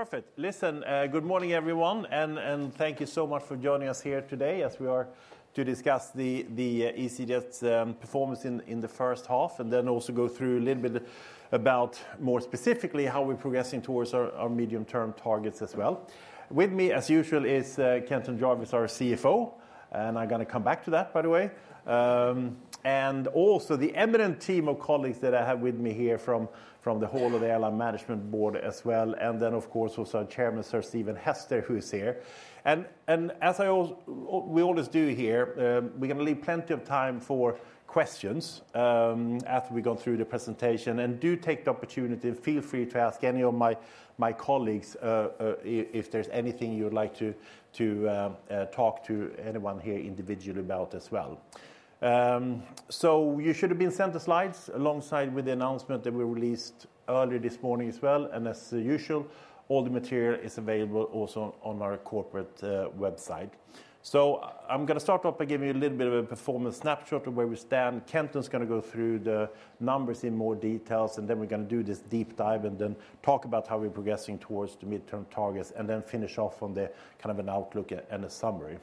Perfect! Listen, good morning, everyone, and thank you so much for joining us here today as we are to discuss the easyJet's performance in the first half, and then also go through a little bit about more specifically how we're progressing towards our medium-term targets as well. With me, as usual, is Kenton Jarvis, our CFO, and I'm going to come back to that, by the way. And also the eminent team of colleagues that I have with me here from the whole of the airline Management Board as well, and then, of course, also our Chairman, Sir Stephen Hester, who is here. As we always do here, we're going to leave plenty of time for questions after we've gone through the presentation. Do take the opportunity, and feel free to ask any of my colleagues if there's anything you would like to talk to anyone here individually about as well. So you should have been sent the slides alongside with the announcement that we released earlier this morning as well, and as usual, all the material is available also on our corporate website. I'm going to start off by giving you a little bit of a performance snapshot of where we stand. Kenton is going to go through the numbers in more details, and then we're going to do this deep dive, and then talk about how we're progressing towards the midterm targets, and then finish off on the kind of an outlook and a summary.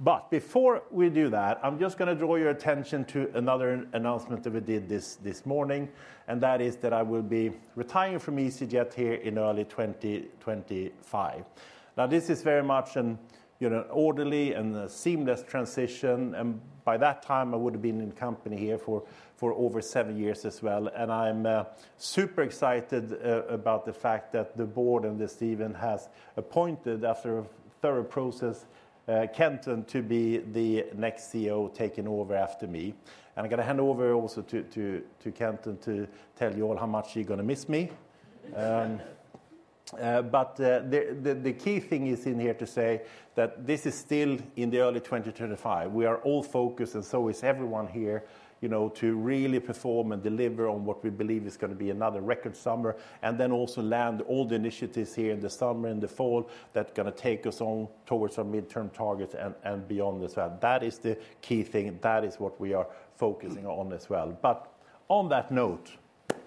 But before we do that, I'm just going to draw your attention to another announcement that we did this morning, and that is that I will be retiring from easyJet here in early 2025. Now, this is very much an, you know, orderly and a seamless transition, and by that time, I would have been in the company here for over seven years as well. And I'm super excited about the fact that the board and that Stephen has appointed, after a thorough process, Kenton to be the next CEO, taking over after me. And I'm going to hand over also to Kenton to tell you all how much you're going to miss me. But the key thing is in here to say that this is still in the early 2025. We are all focused, and so is everyone here, you know, to really perform and deliver on what we believe is going to be another record summer, and then also land all the initiatives here in the summer and the fall that are going to take us on towards our midterm targets and, and beyond as well. That is the key thing, and that is what we are focusing on as well. But on that note,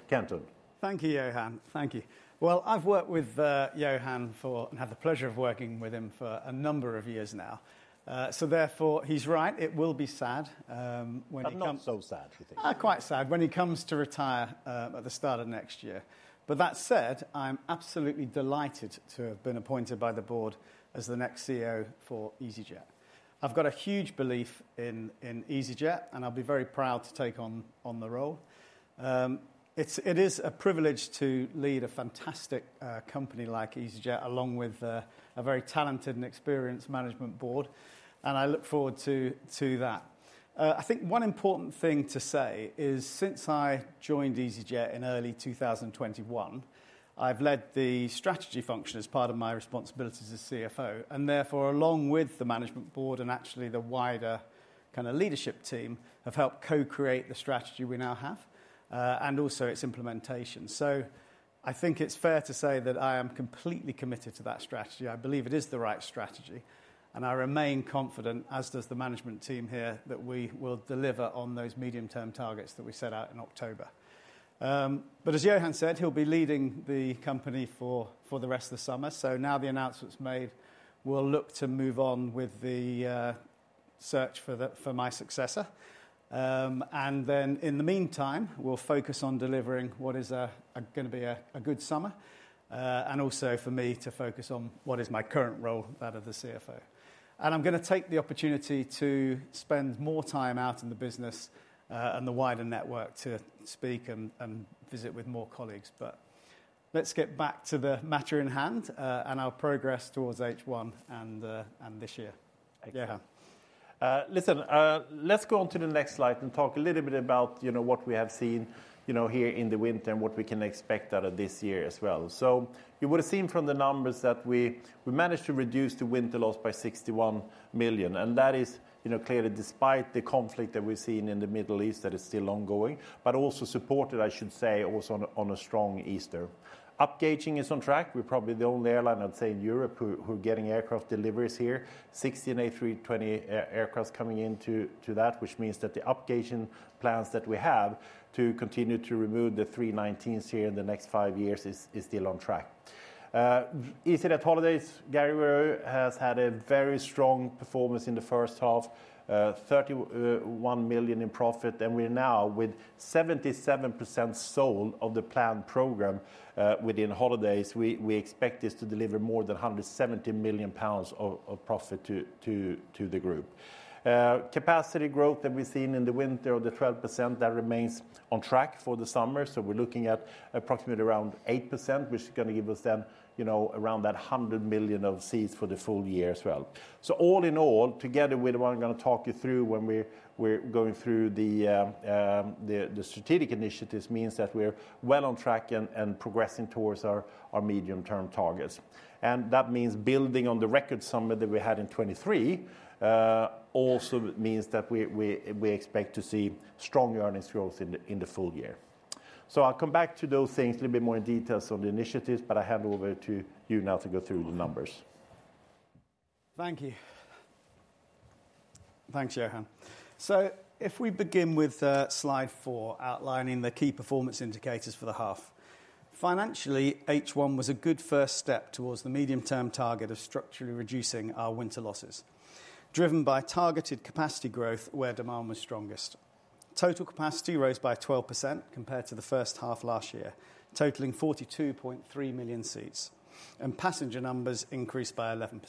Kenton. Thank you, Johan. Thank you. Well, I've worked with Johan for, and had the pleasure of working with him for a number of years now. So therefore he's right, it will be sad when he comes- But not so sad. Quite sad, when he comes to retire, at the start of next year. But that said, I'm absolutely delighted to have been appointed by the board as the next CEO for easyJet. I've got a huge belief in easyJet, and I'll be very proud to take on the role. It is a privilege to lead a fantastic company like easyJet, along with a very talented and experienced Management Board, and I look forward to that. I think one important thing to say is, since I joined easyJet in early 2021, I've led the strategy function as part of my responsibilities as CFO, and therefore, along with the Management Board and actually the wider kind of leadership team, have helped co-create the strategy we now have, and also its implementation. So I think it's fair to say that I am completely committed to that strategy. I believe it is the right strategy, and I remain confident, as does the management team here, that we will deliver on those medium-term targets that we set out in October. But as Johan said, he'll be leading the company for the rest of the summer. So now the announcement's made, we'll look to move on with the search for my successor. And then in the meantime, we'll focus on delivering what is going to be a good summer, and also for me to focus on what is my current role, that of the CFO. And I'm going to take the opportunity to spend more time out in the business and the wider network, to speak and visit with more colleagues. But let's get back to the matter in hand, and our progress towards H1 and, and this year. Yeah. Listen, let's go on to the next slide and talk a little bit about, you know, what we have seen, you know, here in the winter and what we can expect out of this year as well. So you would have seen from the numbers that we managed to reduce the winter loss by 61 million, and that is, you know, clearly despite the conflict that we've seen in the Middle East that is still ongoing, but also supported, I should say, also on a strong Easter. Upgauging is on track. We're probably the only airline, I'd say, in Europe who are getting aircraft deliveries here. 16 A320 aircraft coming into that, which means that the upgauging plans that we have to continue to remove the 319s here in the next five years is still on track. easyJet Holidays, Garry Wilson, has had a very strong performance in the first half, 31 million in profit, and we're now with 77% sold of the planned program within holidays. We expect this to deliver more than 170 million pounds of profit to the group. Capacity growth that we've seen in the winter of the 12%, that remains on track for the summer. So we're looking at approximately around 8%, which is going to give us then, you know, around that 100 million of seats for the full year as well. So all in all, together with what I'm going to talk you through when we're going through the strategic initiatives, means that we're well on track and progressing towards our medium-term targets. That means building on the record summer that we had in 2023. It also means that we expect to see strong earnings growth in the full year. So I'll come back to those things a little bit more in detail on the initiatives, but I hand over to you now to go through the numbers. Thank you. Thanks, Johan. So if we begin with Slide 4, outlining the key performance indicators for the half. Financially, H1 was a good first step towards the medium-term target of structurally reducing our winter losses, driven by targeted capacity growth where demand was strongest. Total capacity rose by 12% compared to the first half last year, totaling 42.3 million seats, and passenger numbers increased by 11%.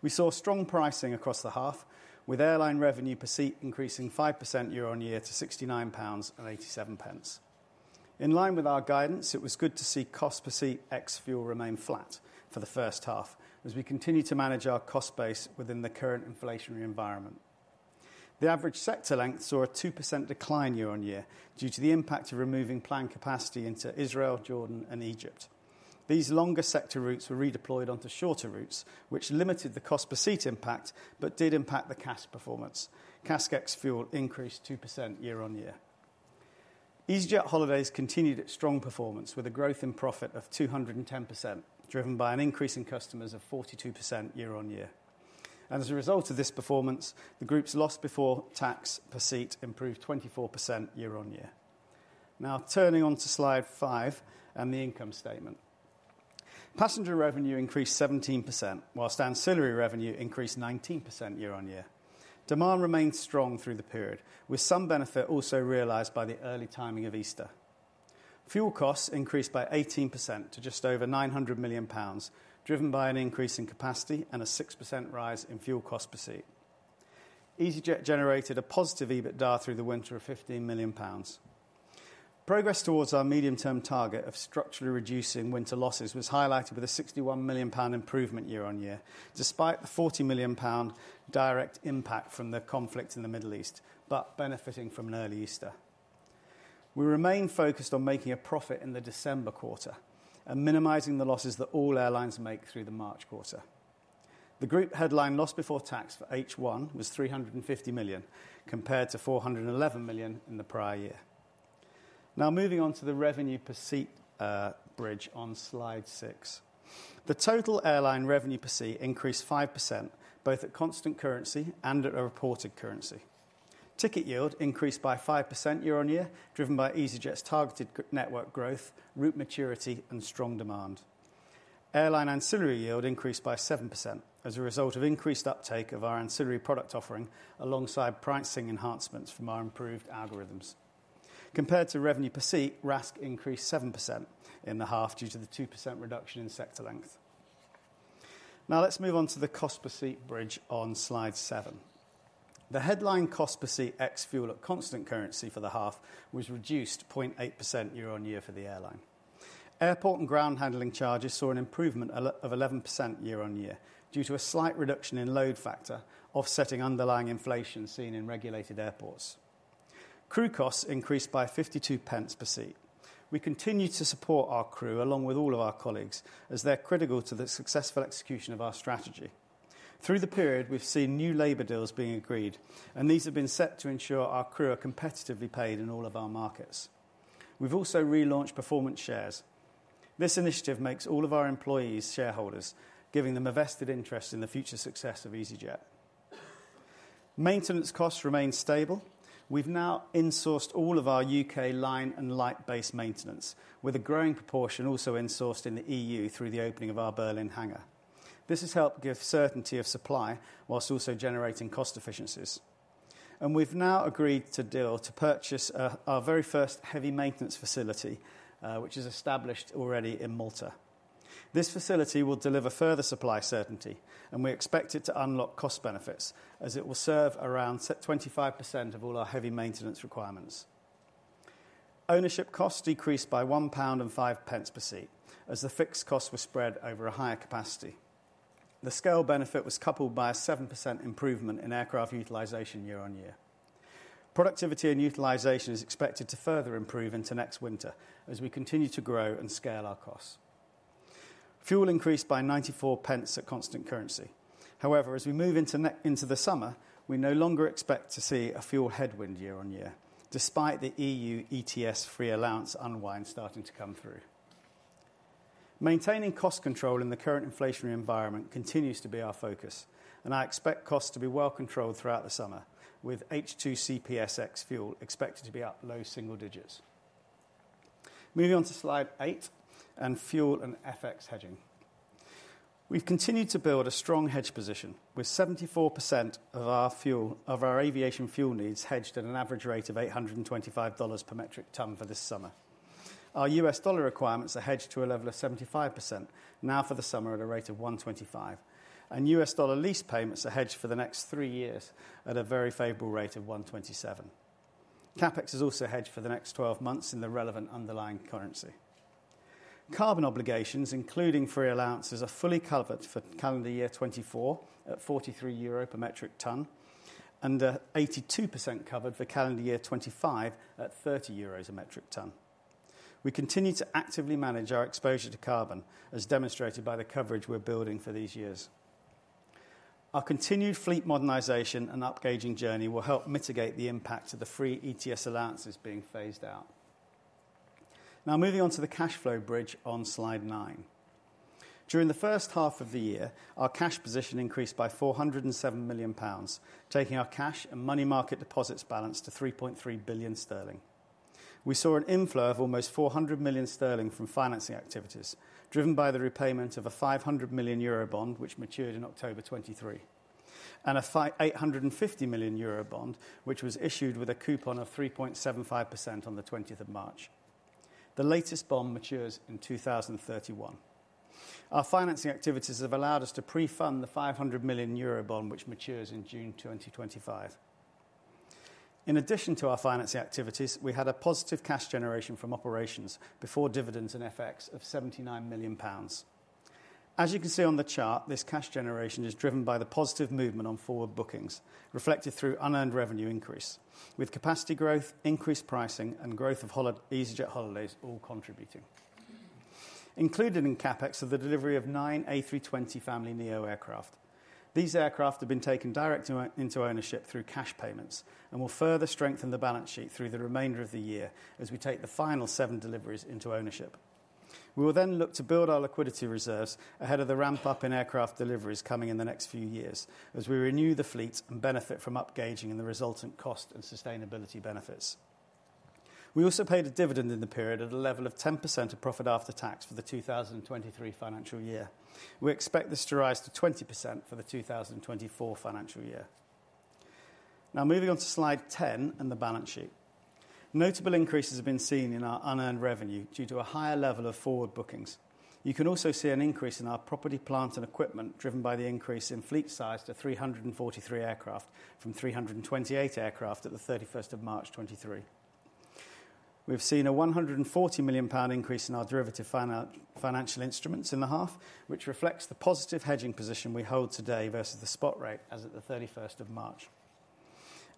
We saw strong pricing across the half, with airline revenue per seat increasing 5% year-on-year to 69.87 pounds. In line with our guidance, it was good to see cost per seat ex-fuel remain flat for the first half, as we continue to manage our cost base within the current inflationary environment. The average sector length saw a 2% decline year-on-year, due to the impact of removing planned capacity into Israel, Jordan and Egypt. These longer sector routes were redeployed onto shorter routes, which limited the cost per seat impact, but did impact the CASK performance. CASK ex-fuel increased 2% year-on-year. easyJet Holidays continued its strong performance with a growth in profit of 210%, driven by an increase in customers of 42% year-on-year. As a result of this performance, the group's loss before tax per seat improved 24% year-on-year. Now, turning on to Slide 5 and the income statement. Passenger revenue increased 17%, while ancillary revenue increased 19% year-on-year. Demand remained strong through the period, with some benefit also realized by the early timing of Easter. Fuel costs increased by 18% to just over 900 million pounds, driven by an increase in capacity and a 6% rise in fuel cost per seat. easyJet generated a positive EBITDA through the winter of 15 million pounds. Progress towards our medium-term target of structurally reducing winter losses was highlighted with a 61 million pound improvement year-on-year, despite the 40 million pound direct impact from the conflict in the Middle East, but benefiting from an early Easter. We remain focused on making a profit in the December quarter and minimizing the losses that all airlines make through the March quarter. The group headline loss before tax for H1 was 350 million, compared to 411 million in the prior year. Now, moving on to the revenue per seat bridge on Slide 6. The total airline revenue per seat increased 5%, both at constant currency and at a reported currency. Ticket yield increased by 5% year-on-year, driven by easyJet's targeted network growth, route maturity and strong demand. Airline ancillary yield increased by 7% as a result of increased uptake of our ancillary product offering, alongside pricing enhancements from our improved algorithms. Compared to revenue per seat, RASK increased 7% in the half due to the 2% reduction in sector length. Now, let's move on to the cost per seat bridge on Slide 7. The headline cost per seat ex-fuel at constant currency for the half was reduced 0.8% year-on-year for the airline. Airport and ground handling charges saw an improvement of 11% year-on-year, due to a slight reduction in load factor, offsetting underlying inflation seen in regulated airports. Crew costs increased by 52 pence per seat. We continue to support our crew, along with all of our colleagues, as they're critical to the successful execution of our strategy. Through the period, we've seen new labour deals being agreed, and these have been set to ensure our crew are competitively paid in all of our markets. We've also relaunched performance shares. This initiative makes all of our employees shareholders, giving them a vested interest in the future success of easyJet. Maintenance costs remain stable. We've now insourced all of our U.K. line and light base maintenance, with a growing proportion also insourced in the EU through the opening of our Berlin hangar. This has helped give certainty of supply while also generating cost efficiencies. And we've now agreed to deal to purchase our very first heavy maintenance facility, which is established already in Malta. This facility will deliver further supply certainty, and we expect it to unlock cost benefits as it will serve around 25% of all our heavy maintenance requirements. Ownership costs decreased by £1.05 per seat, as the fixed costs were spread over a higher capacity. The scale benefit was coupled by a 7% improvement in aircraft utilization year-on-year. Productivity and utilization is expected to further improve into next winter as we continue to grow and scale our costs. Fuel increased by 0.94 at constant currency. However, as we move into the summer, we no longer expect to see a fuel headwind year-on-year, despite the EU ETS free allowance unwind starting to come through. Maintaining cost control in the current inflationary environment continues to be our focus, and I expect costs to be well controlled throughout the summer, with H2 CPS ex-fuel expected to be up low single digits. Moving on to Slide 8, and fuel and FX hedging. We've continued to build a strong hedge position, with 74% of our aviation fuel needs hedged at an average rate of $825 per metric ton for this summer. Our US dollar requirements are hedged to a level of 75%, now for the summer at a rate of 1.25, and US dollar lease payments are hedged for the next 3 years at a very favorable rate of 1.27. CapEx is also hedged for the next 12 months in the relevant underlying currency. Carbon obligations, including free allowances, are fully covered for calendar year 2024 at 43 euro per metric ton and 82% covered for calendar year 2025 at 30 euros per metric ton. We continue to actively manage our exposure to carbon, as demonstrated by the coverage we're building for these years. Our continued fleet modernization and upgauging journey will help mitigate the impact of the EU ETS allowances being phased out. Now moving on to the cash flow bridge on Slide 9. During the first half of the year, our cash position increased by 407 million pounds, taking our cash and money market deposits balance to 3.3 billion sterling. We saw an inflow of almost 400 million sterling from financing activities, driven by the repayment of a 500 million euro bond, which matured in October 2023, and an 850 million euro bond, which was issued with a coupon of 3.75% on the 20 March. The latest bond matures in 2031. Our financing activities have allowed us to pre-fund the 500 million euro bond, which matures in June 2025. In addition to our financing activities, we had a positive cash generation from operations before dividends and FX of 79 million pounds. As you can see on the chart, this cash generation is driven by the positive movement on forward bookings, reflected through unearned revenue increase, with capacity growth, increased pricing, and growth of easyJet holidays all contributing. Included in CapEx are the delivery of nine A320neo family aircraft. These aircraft have been taken direct into ownership through cash payments and will further strengthen the balance sheet through the remainder of the year as we take the final seven deliveries into ownership. We will then look to build our liquidity reserves ahead of the ramp-up in aircraft deliveries coming in the next few years as we renew the fleet and benefit from upgauging and the resultant cost and sustainability benefits. We also paid a dividend in the period at a level of 10% of profit after tax for the 2023 financial year. We expect this to rise to 20% for the 2024 financial year. Now, moving on to slide 10 and the balance sheet. Notable increases have been seen in our unearned revenue due to a higher level of forward bookings. You can also see an increase in our property, plant, and equipment, driven by the increase in fleet size to 343 aircraft from 328 aircraft at March 31, 2023. We've seen a 140 million pound increase in our derivative financial instruments in the half, which reflects the positive hedging position we hold today versus the spot rate as at March 31, 2023.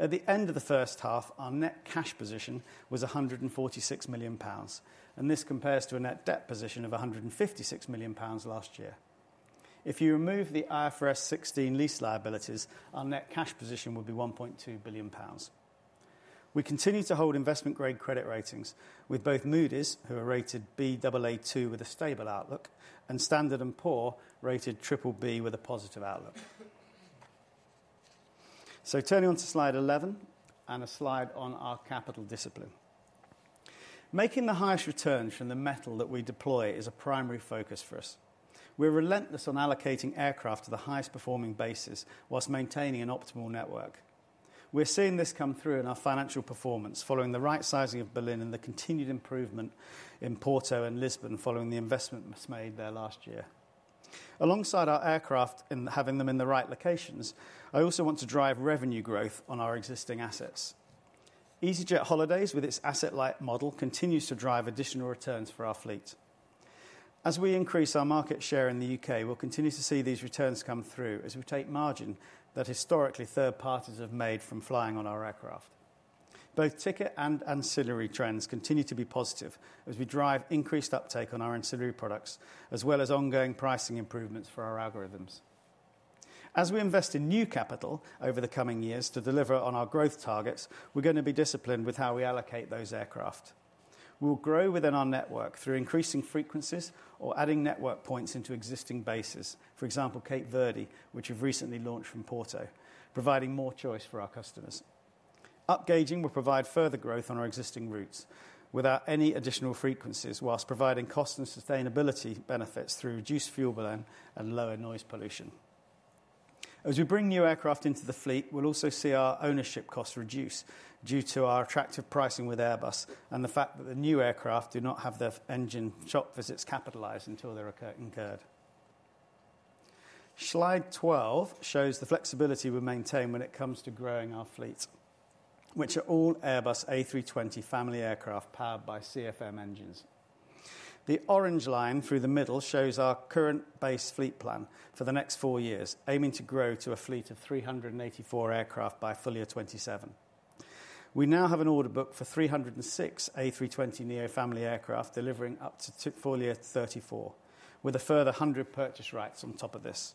At the end of the first half, our net cash position was 146 million pounds, and this compares to a net debt position of 156 million pounds last year. If you remove the IFRS 16 lease liabilities, our net cash position would be 1.2 billion pounds. We continue to hold investment-grade credit ratings with both Moody's, who are rated Baa2 with a stable outlook, and Standard & Poor's, rated BBB with a positive outlook. So turning on to slide 11 and a slide on our capital discipline. Making the highest return from the metal that we deploy is a primary focus for us. We're relentless on allocating aircraft to the highest-performing bases whilst maintaining an optimal network. We're seeing this come through in our financial performance, following the right sizing of Berlin and the continued improvement in Porto and Lisbon following the investments made there last year. Alongside our aircraft and having them in the right locations, I also want to drive revenue growth on our existing assets. easyJet Holidays, with its asset-light model, continues to drive additional returns for our fleet. As we increase our market share in the U.K., we'll continue to see these returns come through as we take margin that historically third parties have made from flying on our aircraft. Both ticket and ancillary trends continue to be positive as we drive increased uptake on our ancillary products, as well as ongoing pricing improvements for our algorithms. As we invest in new capital over the coming years to deliver on our growth targets, we're going to be disciplined with how we allocate those aircraft. We will grow within our network through increasing frequencies or adding network points into existing bases. For example, Cape Verde, which we've recently launched from Porto, providing more choice for our customers. Upgauging will provide further growth on our existing routes without any additional frequencies, while providing cost and sustainability benefits through reduced fuel burn and lower noise pollution. As we bring new aircraft into the fleet, we'll also see our ownership costs reduce due to our attractive pricing with Airbus and the fact that the new aircraft do not have their engine shop visits capitalized until they're incurred. Slide 12 shows the flexibility we maintain when it comes to growing our fleet, which are all Airbus A320 family aircraft powered by CFM engines. The orange line through the middle shows our current base fleet plan for the next 4 years, aiming to grow to a fleet of 384 aircraft by full year 2027. We now have an order book for 306 A320neo family aircraft, delivering up to full year 2034, with a further 100 purchase rights on top of this.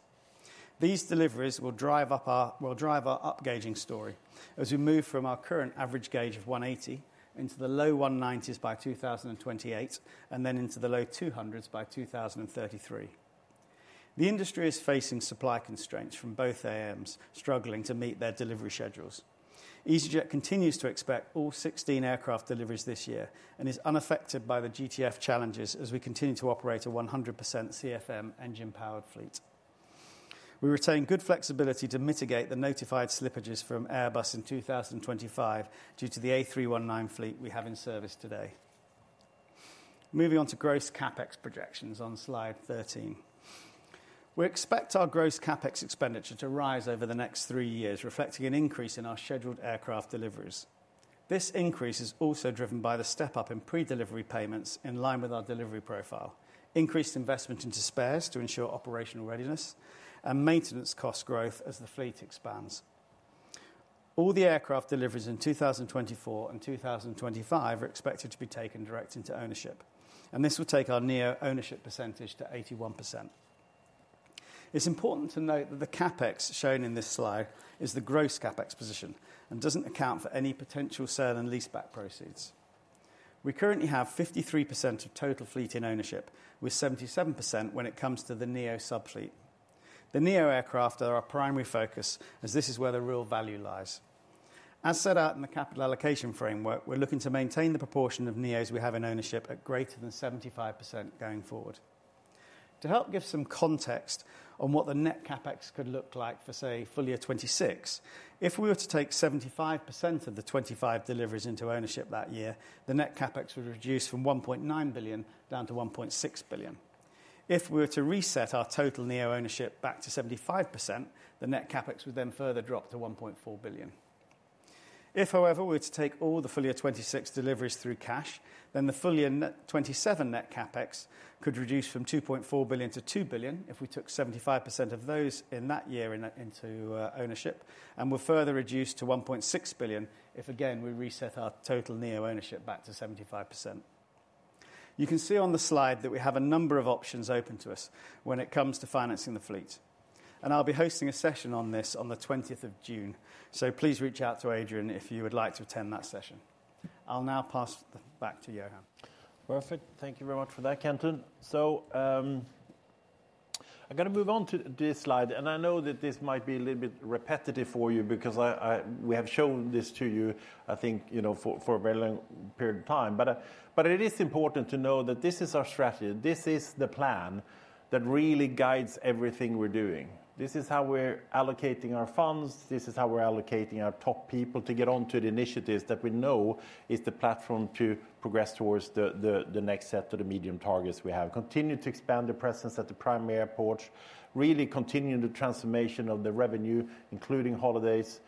These deliveries will drive our upgauging story as we move from our current average gauge of 180 into the low 190s by 2028 and then into the low 200s by 2033. The industry is facing supply constraints from both OEMs struggling to meet their delivery schedules. easyJet continues to expect all 16 aircraft deliveries this year and is unaffected by the GTF challenges as we continue to operate a 100% CFM engine-powered fleet. We retain good flexibility to mitigate the notified slippages from Airbus in 2025 due to the A319 fleet we have in service today. Moving on to gross CapEx projections on Slide 13. We expect our gross CapEx expenditure to rise over the next three years, reflecting an increase in our scheduled aircraft deliveries. This increase is also driven by the step-up in pre-delivery payments in line with our delivery profile, increased investment into spares to ensure operational readiness, and maintenance cost growth as the fleet expands. All the aircraft deliveries in 2024 and 2025 are expected to be taken direct into ownership, and this will take our neo ownership percentage to 81%. It's important to note that the CapEx shown in this slide is the gross CapEx position, and doesn't account for any potential sale and leaseback proceeds. We currently have 53% of total fleet in ownership, with 77% when it comes to the neo subfleet. The neo aircraft are our primary focus, as this is where the real value lies. As set out in the capital allocation framework, we're looking to maintain the proportion of neos we have in ownership at greater than 75% going forward. To help give some context on what the net CapEx could look like for, say, full year 2026, if we were to take 75% of the 25 deliveries into ownership that year, the net CapEx would reduce from 1.9 billion down to 1.6 billion. If we were to reset our total neo ownership back to 75%, the net CapEx would then further drop to 1.4 billion. If, however, we were to take all the full year 2026 deliveries through cash, then the full year net 2027 net CapEx could reduce from 2.4 billion to 2 billion if we took 75% of those in that year into ownership, and would further reduce to 1.6 billion, if again, we reset our total neo ownership back to 75%. You can see on the slide that we have a number of options open to us when it comes to financing the fleet, and I'll be hosting a session on this on the 20 of June. So please reach out to Adrian if you would like to attend that session. I'll now pass the back to Johan. Perfect. Thank you very much for that, Kenton. So, I'm going to move on to this slide, and I know that this might be a little bit repetitive for you because we have shown this to you, I think, you know, for a very long period of time. But it is important to know that this is our strategy. This is the plan that really guides everything we're doing. This is how we're allocating our funds. This is how we're allocating our top people to get on to the initiatives that we know is the platform to progress towards the next set of the medium targets we have. Continue to expand the presence at the primary airports, really continuing the transformation of the revenue, including holidays,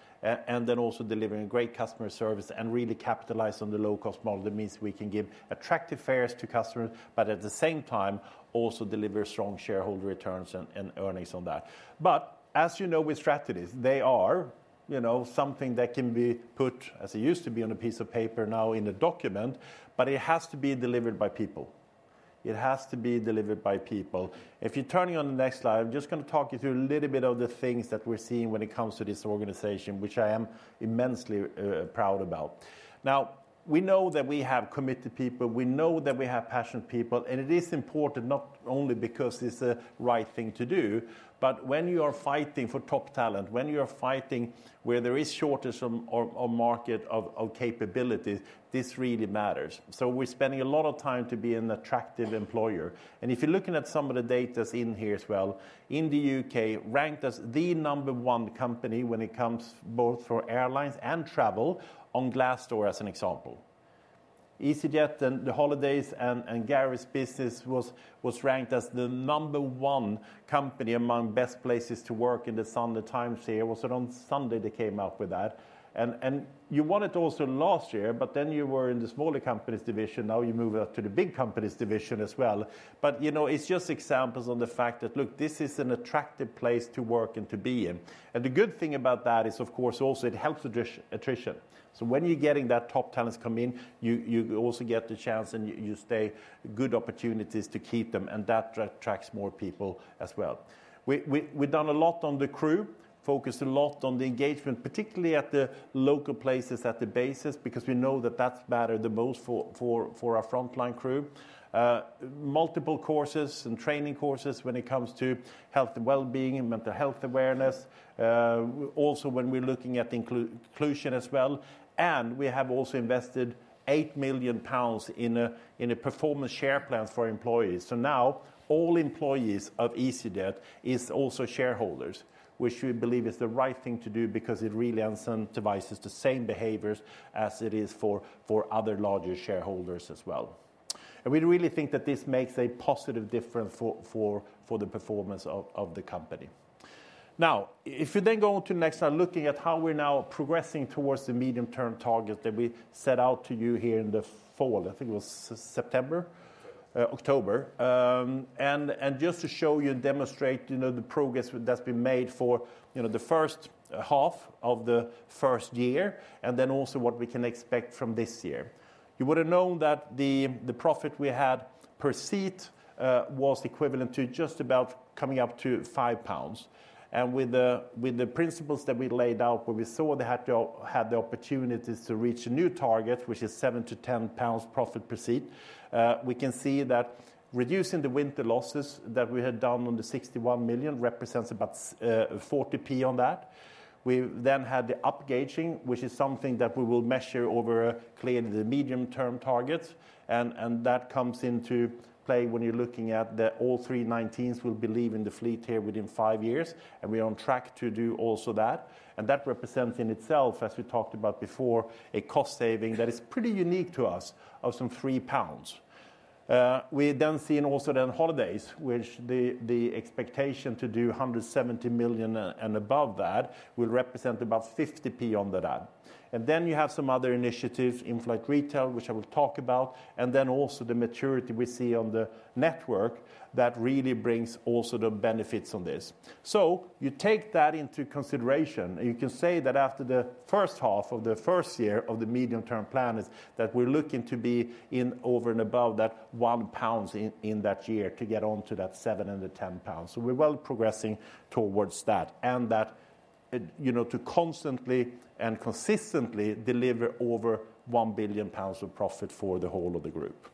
and then also delivering great customer service and really capitalize on the low-cost model. That means we can give attractive fares to customers, but at the same time, also deliver strong shareholder returns and, and earnings on that. But as you know, with strategies, they are, you know, something that can be put, as it used to be, on a piece of paper, now in a document, but it has to be delivered by people. It has to be delivered by people. If you're turning on the next slide, I'm just going to talk you through a little bit of the things that we're seeing when it comes to this organization, which I am immensely proud about. Now, we know that we have committed people, we know that we have passionate people, and it is important not only because it's the right thing to do, but when you are fighting for top talent, when you are fighting where there is shortage of, or, or market of, of capabilities, this really matters. So we're spending a lot of time to be an attractive employer. And if you're looking at some of the data's in here as well, in the U.K., ranked as the number one company when it comes both for airlines and travel on Glassdoor, as an example. easyJet and the holidays and, and Garry's business was, was ranked as the number one company among Best Places to Work in the Sunday Times here. It was on Sunday they came out with that. You won it also last year, but then you were in the smaller companies division. Now, you move up to the big companies division as well. But, you know, it's just examples on the fact that, look, this is an attractive place to work and to be in. And the good thing about that is, of course, also it helps attrition. So when you're getting that top talents come in, you also get the chance and you stay good opportunities to keep them, and that attracts more people as well. We've done a lot on the crew, focused a lot on the engagement, particularly at the local places, at the bases, because we know that that matters the most for our frontline crew. Multiple courses and training courses when it comes to health and well-being and mental health awareness, also when we're looking at inclusion as well. We have also invested 8 million pounds in a performance share plan for employees. So now all employees of easyJet is also shareholders, which we believe is the right thing to do because it really incentivizes the same behaviors as it is for other larger shareholders as well. We really think that this makes a positive difference for the performance of the company. Now, if you then go on to the next slide, looking at how we're now progressing towards the medium-term target that we set out to you here in the fall, I think it was September? October. October. And just to show you and demonstrate, you know, the progress that's been made for, you know, the first half of the first year, and then also what we can expect from this year. You would have known that the profit we had per seat was equivalent to just about coming up to 5 pounds. And with the principles that we laid out, where we saw they had the opportunities to reach a new target, which is 7-10 pounds profit per seat, we can see that reducing the winter losses that we had done on the 61 million represents about 40p on that. We then had the upgauging, which is something that we will measure over clearly the medium-term targets, and, and that comes into play when you're looking at the all A319s will be leaving the fleet here within 5 years, and we're on track to do also that. And that represents in itself, as we talked about before, a cost saving that is pretty unique to us of some 3 pounds. We then seen also then holidays, which the, the expectation to do 170 million and above that, will represent about 50p on that. And then you have some other initiatives, in-flight retail, which I will talk about, and then also the maturity we see on the network that really brings also the benefits on this. So you take that into consideration, and you can say that after the first half of the first year of the medium-term plan, is that we're looking to be in over and above that 1 pounds in that year to get on to that seven and the ten pounds. So we're well progressing towards that, and that you know, to constantly and consistently deliver over 1 billion pounds of profit for the whole of the group.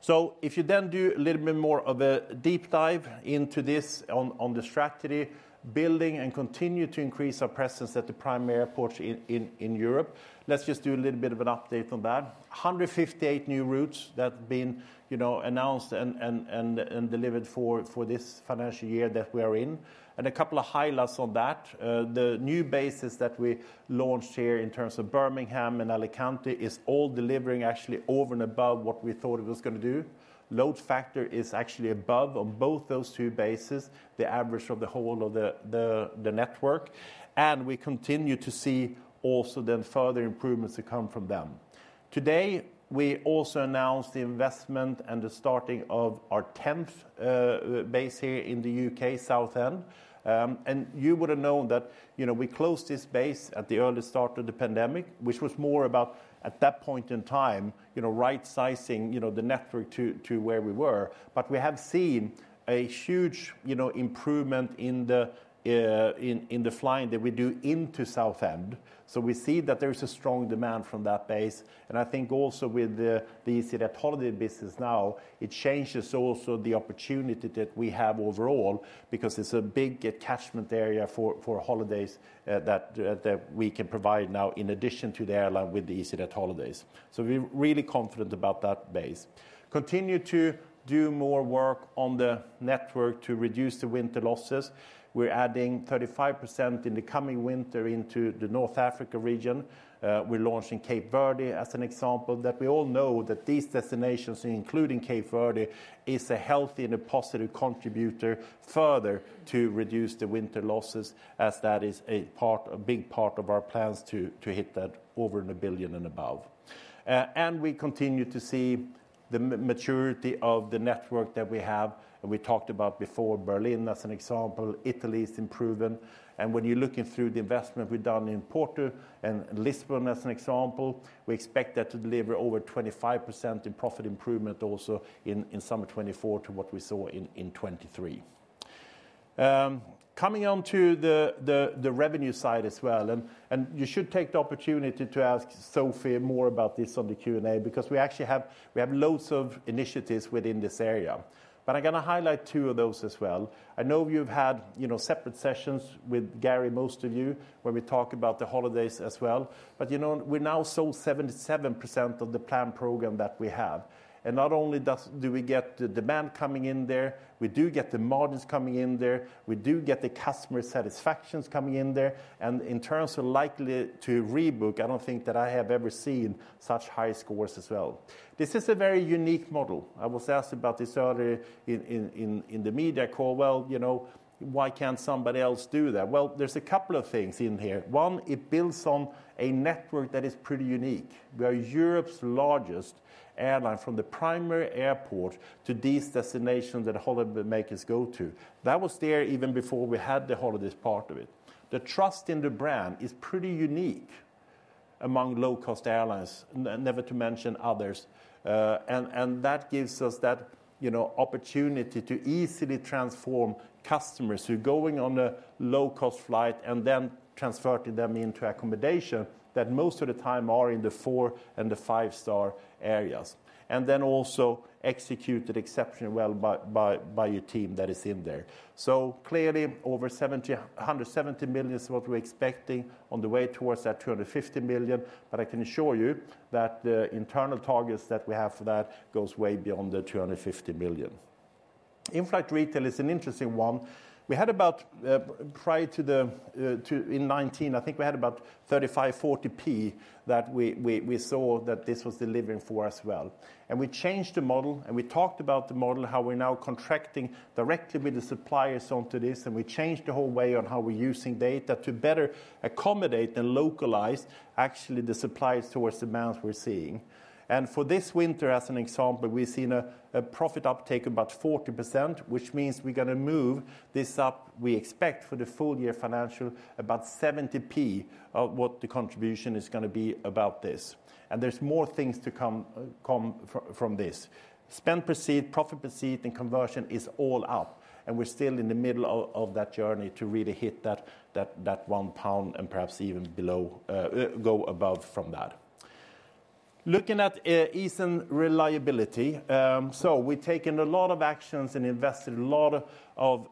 So if you then do a little bit more of a deep dive into this on the strategy, building and continue to increase our presence at the primary airports in Europe. Let's just do a little bit of an update on that. 158 new routes that have been, you know, announced and delivered for this financial year that we are in. A couple of highlights on that, the new bases that we launched here in terms of Birmingham and Alicante is all delivering actually over and above what we thought it was going to do. Load factor is actually above on both those two bases, the average of the whole of the network, and we continue to see also then further improvements to come from them. Today, we also announced the investment and the starting of our tenth base here in the U.K., Southend. And you would have known that, you know, we closed this base at the early start of the pandemic, which was more about, at that point in time, you know, right-sizing, you know, the network to where we were. But we have seen a huge, you know, improvement in the flying that we do into Southend. So we see that there is a strong demand from that base, and I think also with the, the easyJet holiday business now, it changes also the opportunity that we have overall, because it's a big catchment area for, for holidays, that we can provide now, in addition to the airline with the easyJet holidays. So we're really confident about that base. Continue to do more work on the network to reduce the winter losses. We're adding 35% in the coming winter into the North Africa region. We're launching Cape Verde as an example, that we all know that these destinations, including Cape Verde, is a healthy and a positive contributor further to reduce the winter losses, as that is a part, a big part of our plans to, to hit that over 1 billion and above. And we continue to see the maturity of the network that we have, and we talked about before, Berlin, as an example. Italy is improving, and when you're looking through the investment we've done in Porto and Lisbon, as an example, we expect that to deliver over 25% in profit improvement also in summer 2024 to what we saw in 2023. Coming on to the revenue side as well, and you should take the opportunity to ask Sophie more about this on the Q&A, because we actually have loads of initiatives within this area. But I'm going to highlight two of those as well. I know you've had, you know, separate sessions with Garry, most of you, where we talk about the holidays as well. But, you know, we now sold 77% of the planned program that we have. And not only do we get the demand coming in there, we do get the margins coming in there, we do get the customer satisfactions coming in there, and in terms of likely to rebook, I don't think that I have ever seen such high scores as well. This is a very unique model. I was asked about this earlier in the media call: "Well, you know, why can't somebody else do that?" Well, there's a couple of things in here. One, it builds on a network that is pretty unique. We are Europe's largest airline from the primary airport to these destinations that holiday makers go to. That was there even before we had the holidays part of it. The trust in the brand is pretty unique among low-cost airlines, never to mention others. And that gives us that, you know, opportunity to easily transform customers who are going on a low-cost flight and then transfer to them into accommodation, that most of the time are in the four- and the five-star areas, and then also executed exceptionally well by a team that is in there. So clearly, over 170 million is what we're expecting on the way towards that 250 million, but I can assure you that the internal targets that we have for that goes way beyond the 250 million. In-flight retail is an interesting one. We had about, prior to the, in 2019, I think we had about 35-40p that we saw that this was delivering for us well. We changed the model, and we talked about the model, how we're now contracting directly with the suppliers onto this, and we changed the whole way on how we're using data to better accommodate and localize, actually, the suppliers towards the amounts we're seeing. For this winter, as an example, we've seen a profit uptake about 40%, which means we're going to move this up, we expect for the full year financial, about 0.70 of what the contribution is going to be about this. And there's more things to come from this. Spend per seat, profit per seat, and conversion is all up, and we're still in the middle of that journey to really hit that 1 pound and perhaps even below, go above from that. Looking at ease and reliability, so we've taken a lot of actions and invested a lot of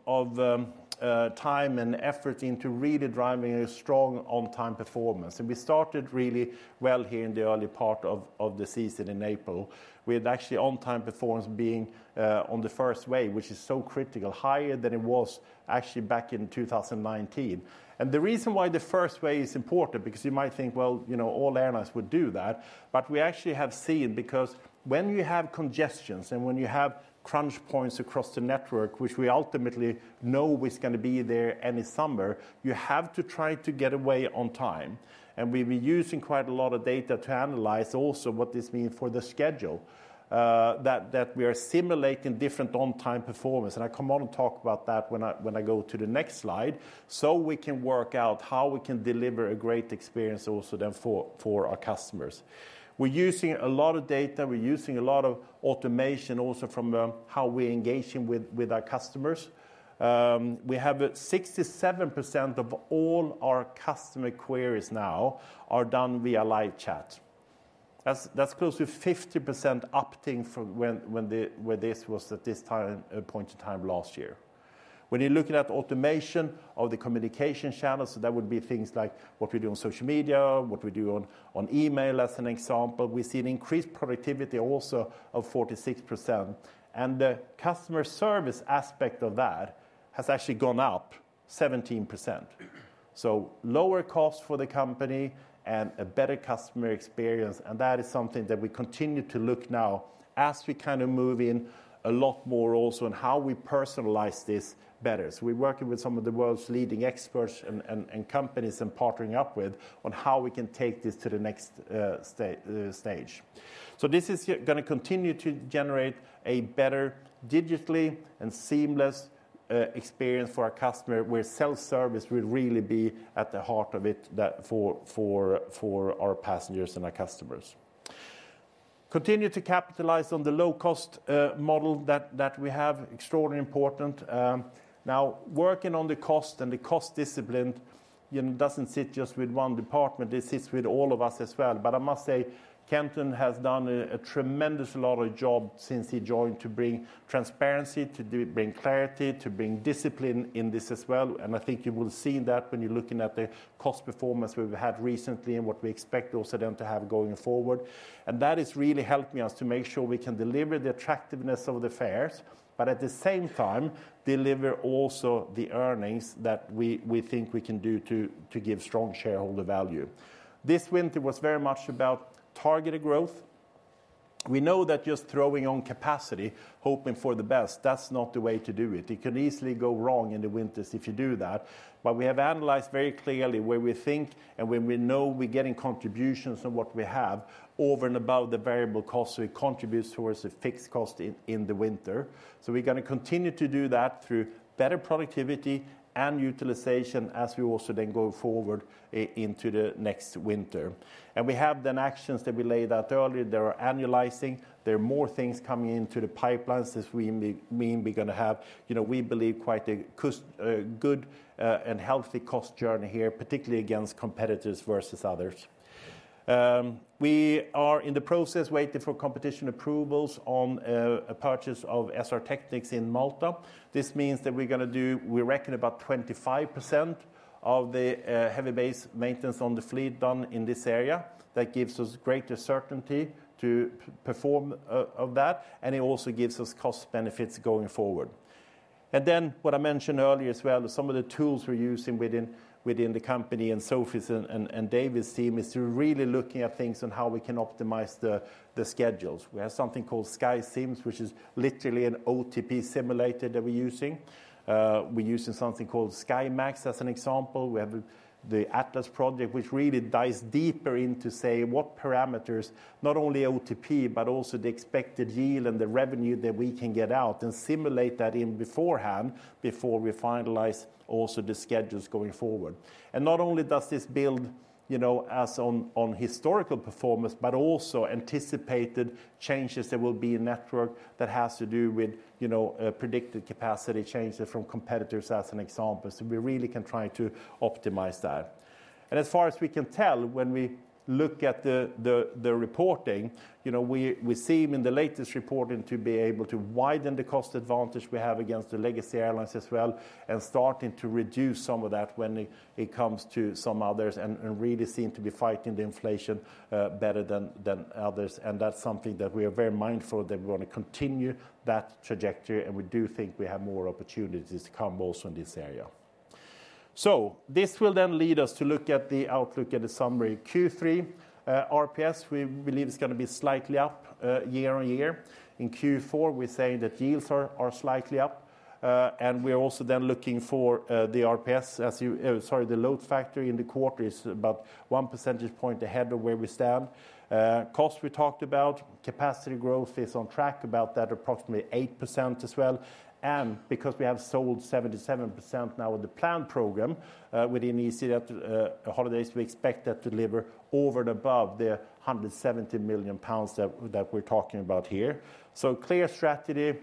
time and effort into really driving a strong on-time performance. And we started really well here in the early part of the season in April, with actually on-time performance being on the first wave, which is so critical, higher than it was actually back in 2019. And the reason why the first wave is important, because you might think, well, you know, all airlines would do that, but we actually have seen, because when you have congestions and when you have crunch points across the network, which we ultimately know is going to be there any summer, you have to try to get away on time. And we've been using quite a lot of data to analyze also what this mean for the schedule, that we are simulating different on-time performance. And I come on and talk about that when I go to the next slide, so we can work out how we can deliver a great experience also then for our customers. We're using a lot of data, we're using a lot of automation, also from how we're engaging with our customers. We have 67% of all our customer queries now are done via live chat. That's close to 50% opting from when this was at this time point in time last year. When you're looking at automation of the communication channels, so that would be things like what we do on social media, what we do on email, as an example, we see an increased productivity also of 46%, and the customer service aspect of that has actually gone up 17%. So lower cost for the company and a better customer experience, and that is something that we continue to look now as we kind of move in a lot more also on how we personalize this better. So we're working with some of the world's leading experts and companies and partnering up with on how we can take this to the next stage. So this is here gonna continue to generate a better digitally and seamless experience for our customer, where self-service will really be at the heart of it, that for our passengers and our customers. Continue to capitalize on the low-cost model that we have, extraordinarily important. Now, working on the cost and the cost discipline, you know, doesn't sit just with one department, it sits with all of us as well. But I must say, Kenton has done a tremendous job since he joined, to bring transparency, to bring clarity, to bring discipline in this as well, and I think you will see that when you're looking at the cost performance we've had recently and what we expect also then to have going forward. That is really helping us to make sure we can deliver the attractiveness of the fares, but at the same time, deliver also the earnings that we, we think we can do to, to give strong shareholder value. This winter was very much about targeted growth. We know that just throwing on capacity, hoping for the best, that's not the way to do it. It can easily go wrong in the winters if you do that. We have analyzed very clearly where we think and when we know we're getting contributions from what we have, over and above the variable cost, so it contributes towards the fixed cost in, in the winter. We're gonna continue to do that through better productivity and utilization as we also then go forward into the next winter. We have then actions that we laid out earlier. There are annualising, there are more things coming into the pipelines, as we may mean we're gonna have, you know, we believe quite a good, and healthy cost journey here, particularly against competitors versus others. We are in the process waiting for competition approvals on a purchase of SR Technics in Malta. This means that we're gonna do, we reckon, about 25% of the heavy base maintenance on the fleet done in this area. That gives us greater certainty to perform that, and it also gives us cost benefits going forward. And then what I mentioned earlier as well, some of the tools we're using within the company, and Sophie's and David's team, is to really looking at things on how we can optimize the schedules. We have something called SkySyms, which is literally an OTP simulator that we're using. We're using something called SkyMax, as an example. We have the Atlas project, which really dives deeper into, say, what parameters, not only OTP, but also the expected yield and the revenue that we can get out and simulate that in beforehand before we finalize also the schedules going forward. And not only does this build, you know, as on, on historical performance, but also anticipated changes that will be in network that has to do with, you know, predicted capacity changes from competitors, as an example. So we really can try to optimize that. And as far as we can tell, when we look at the reporting, you know, we seem in the latest reporting to be able to widen the cost advantage we have against the legacy airlines as well, and starting to reduce some of that when it comes to some others and really seem to be fighting the inflation better than others. And that's something that we are very mindful that we want to continue that trajectory, and we do think we have more opportunities to come also in this area. So this will then lead us to look at the outlook and the summary. Q3 RPS, we believe is gonna be slightly up year-over-year. In Q4, we say that yields are slightly up, and we're also then looking for the RPS, as you-- sorry, the load factor in the quarter is about 1 percentage point ahead of where we stand. Cost, we talked about. Capacity growth is on track, about that approximately 8% as well. And because we have sold 77% now of the planned program within easyJet Holidays, we expect that to deliver over and above the 170 million pounds that we're talking about here. So clear strategy,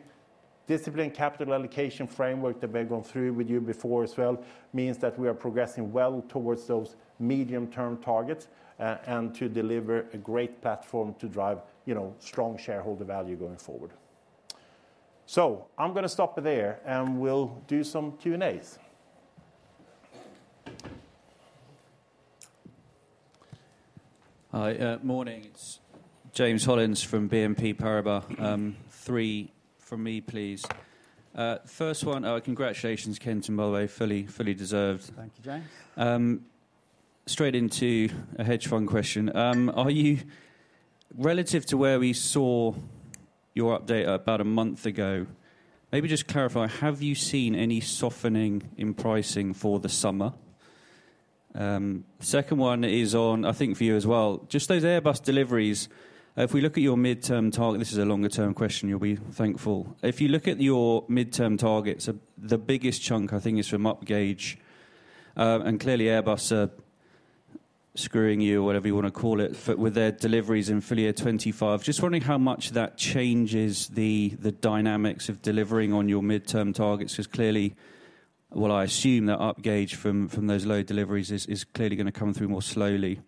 disciplined capital allocation framework that we've gone through with you before as well, means that we are progressing well towards those medium-term targets, and to deliver a great platform to drive, you know, strong shareholder value going forward. So I'm gonna stop there, and we'll do some Q and As. Hi, morning. It's James Hollins from BNP Paribas. Three from me, please. First one, congratulations, Kenton Jarvis, fully, fully deserved. Thank you, James. Straight into a hedge fund question. Are you—relative to where we saw your update about a month ago, maybe just clarify, have you seen any softening in pricing for the summer? Second one is on, I think, for you as well. Just those Airbus deliveries, if we look at your midterm target, this is a longer-term question, you'll be thankful. If you look at your midterm targets, the biggest chunk, I think, is from upgauge, and clearly, Airbus are screwing you, or whatever you want to call it, for—with their deliveries in full year 2025. Just wondering how much that changes the dynamics of delivering on your midterm targets, because clearly—Well, I assume that upgauge from those low deliveries is clearly going to come through more slowly.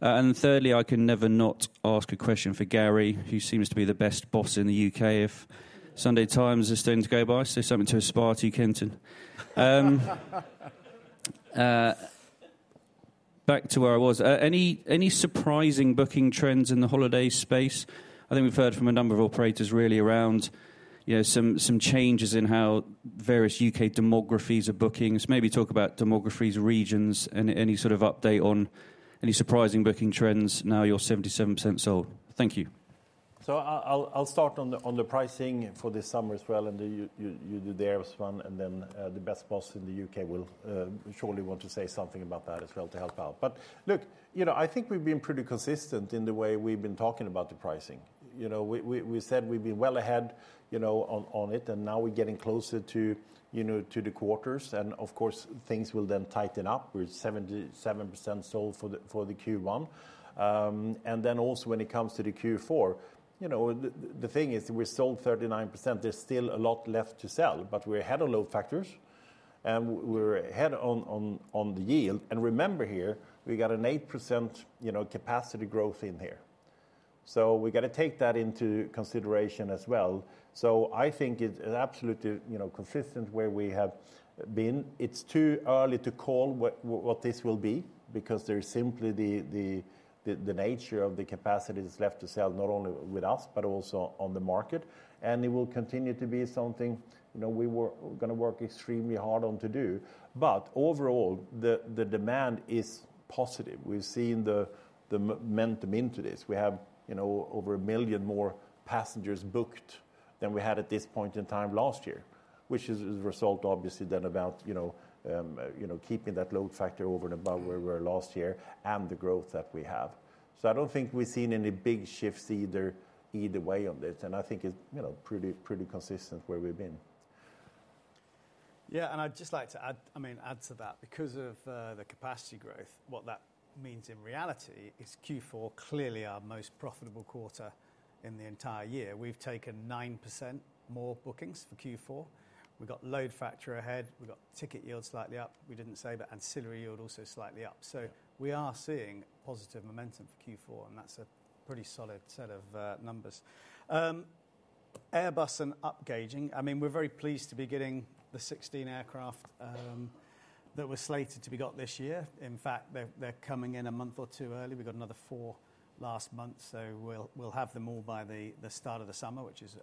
And thirdly, I can never not ask a question for Garry, who seems to be the best boss in the U.K., if Sunday Times is anything to go by. Say something to aspire to, Kenton. Back to where I was. Any surprising booking trends in the holiday space? I think we've heard from a number of operators really around, you know, some changes in how various U.K. demographics are booking. Maybe talk about demographics, regions, and any sort of update on any surprising booking trends now you're 77% sold. Thank you. I'll start on the pricing for this summer as well, and you do the Airbus one, and then the best boss in the U.K.. will surely want to say something about that as well to help out. But look, you know, I think we've been pretty consistent in the way we've been talking about the pricing. You know, we said we'd be well ahead, you know, on it, and now we're getting closer to, you know, to the quarters, and of course, things will then tighten up. We're 77% sold for the Q1. And then also when it comes to the Q4, you know, the thing is we're sold 39%. There's still a lot left to sell, but we're ahead on load factors, and we're ahead on the yield. Remember here, we got an 8%, you know, capacity growth in here. So we got to take that into consideration as well. So I think it's absolutely, you know, consistent where we have been. It's too early to call what this will be because there's simply the nature of the capacities left to sell, not only with us, but also on the market. And it will continue to be something, you know, we're gonna work extremely hard on to do. But overall, the demand is positive. We've seen the momentum into this. We have, you know, over 1 million more passengers booked than we had at this point in time last year, which is a result, obviously, than about, you know, you know, keeping that load factor over and above where we were last year and the growth that we have. So I don't think we've seen any big shifts either, either way on this, and I think it's, you know, pretty, pretty consistent where we've been. Yeah, and I'd just like to add, I mean, add to that. Because of the capacity growth, what that means in reality is Q4 clearly our most profitable quarter in the entire year. We've taken 9% more bookings for Q4. We've got load factor ahead, we've got ticket yield slightly up. We didn't say, but ancillary yield also slightly up. So we are seeing positive momentum for Q4, and that's a pretty solid set of numbers. Airbus and upgauging, I mean, we're very pleased to be getting the 16 aircraft that were slated to be got this year. In fact, they're coming in a month or two early. We got another 4 last month, so we'll have them all by the start of the summer, which is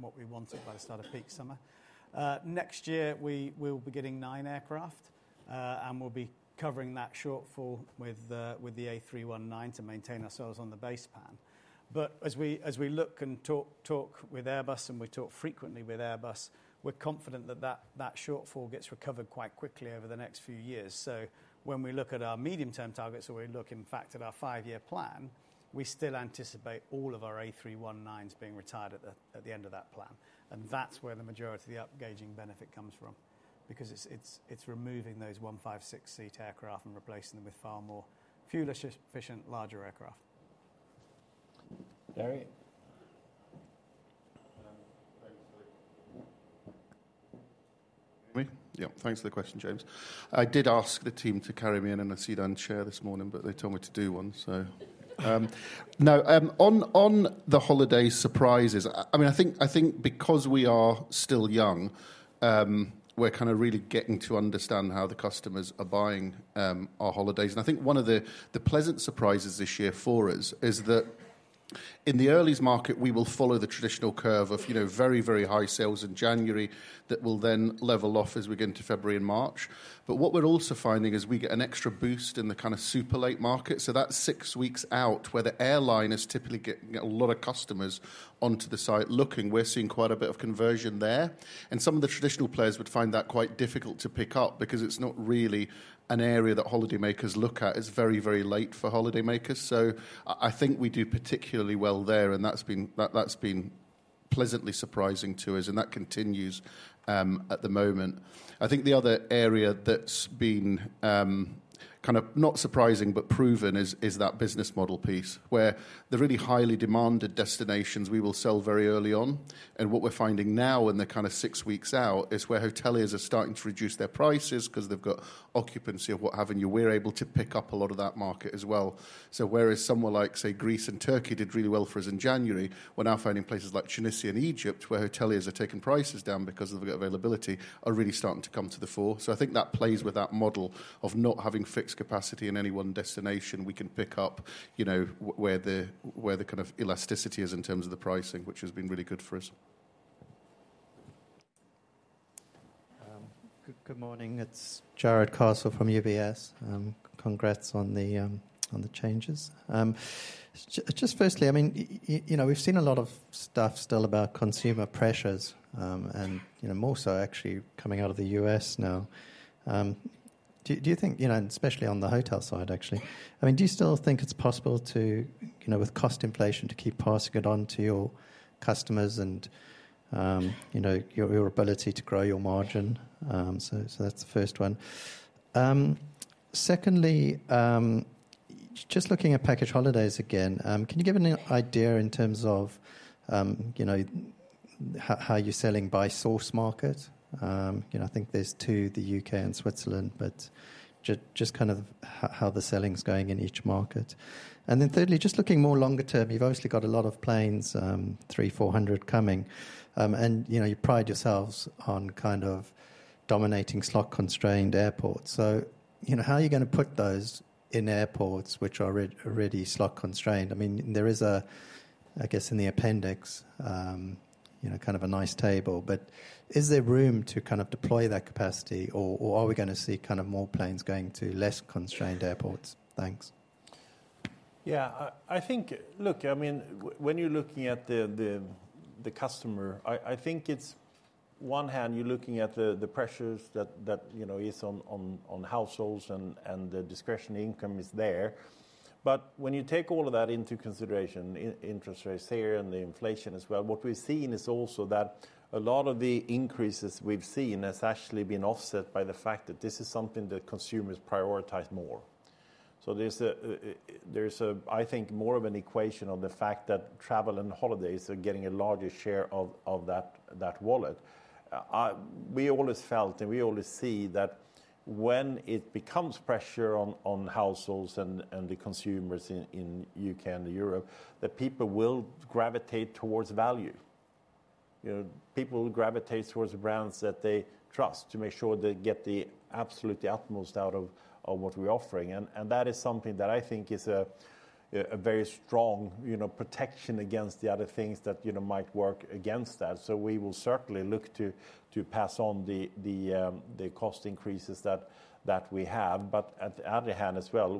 what we wanted by the start of peak summer. Next year, we will be getting 9 aircraft, and we'll be covering that shortfall with the A319 to maintain ourselves on the base plan. But as we look and talk with Airbus, and we talk frequently with Airbus, we're confident that that shortfall gets recovered quite quickly over the next few years. So when we look at our medium-term targets, or we look, in fact, at our five-year plan, we still anticipate all of our A319s being retired at the end of that plan. And that's where the majority of the upgauging benefit comes from because it's removing those 156-seat aircraft and replacing them with far more fuel-efficient, larger aircraft. Garry? Thanks for the... Yeah, thanks for the question, James. I did ask the team to carry me in in a sedan chair this morning, but they told me to do one, so. No, on the holiday surprises, I mean, I think, I think because we are still young, we're kind of really getting to understand how the customers are buying our holidays. And I think one of the pleasant surprises this year for us is that in the earliest market, we will follow the traditional curve of, you know, very, very high sales in January that will then level off as we get into February and March. But what we're also finding is we get an extra boost in the kind of super late market. So that's six weeks out, where the airline is typically getting a lot of customers onto the site looking. We're seeing quite a bit of conversion there, and some of the traditional players would find that quite difficult to pick up because it's not really an area that holidaymakers look at. It's very, very late for holidaymakers. So I think we do particularly well there, and that's been pleasantly surprising to us, and that continues at the moment. I think the other area that's been kind of not surprising but proven is that business model piece, where the really highly demanded destinations we will sell very early on. And what we're finding now in the kind of six weeks out is where hoteliers are starting to reduce their prices 'cause they've got occupancy of what have you. We're able to pick up a lot of that market as well. So whereas somewhere like, say, Greece and Turkey did really well for us in January, we're now finding places like Tunisia and Egypt, where hoteliers are taking prices down because of the availability, are really starting to come to the fore. So I think that plays with that model of not having fixed capacity in any one destination. We can pick up, you know, where the, where the kind of elasticity is in terms of the pricing, which has been really good for us. Good, good morning, it's Jarrod Castle from UBS, and congrats on the, on the changes. Just firstly, I mean, you know, we've seen a lot of stuff still about consumer pressures, and, you know, more so actually coming out of the US now. Do you think, you know, and especially on the hotel side, actually, I mean, do you still think it's possible to, you know, with cost inflation, to keep passing it on to your customers and, you know, your, your ability to grow your margin? So, so that's the first one. Secondly, just looking at package holidays again, can you give an idea in terms of, you know, how, how you're selling by source market? You know, I think there's two, the U.K. and Switzerland, but just kind of how the selling is going in each market. And then thirdly, just looking more longer term, you've obviously got a lot of planes, 300-400 coming. And, you know, you pride yourselves on kind of dominating slot-constrained airports. So, you know, how are you going to put those in airports which are already slot constrained? I mean, there is a, I guess, in the appendix, you know, kind of a nice table, but is there room to kind of deploy that capacity, or are we going to see kind of more planes going to less constrained airports? Thanks. Yeah, I think, look, I mean, when you're looking at the customer, I think on one hand, you're looking at the pressures that, you know, is on households and the discretionary income is there. But when you take all of that into consideration, interest rates here and the inflation as well, what we're seeing is also that a lot of the increases we've seen has actually been offset by the fact that this is something that consumers prioritize more. So there's a, there's a, I think, more of an equation of the fact that travel and holidays are getting a larger share of that wallet. We always felt, and we always see that when it becomes pressure on households and the consumers in U.K. and Europe, that people will gravitate towards value. You know, people will gravitate towards the brands that they trust to make sure they get the absolute utmost out of what we're offering. And that is something that I think is a very strong, you know, protection against the other things that, you know, might work against that. So we will certainly look to pass on the cost increases that we have. But on the other hand as well,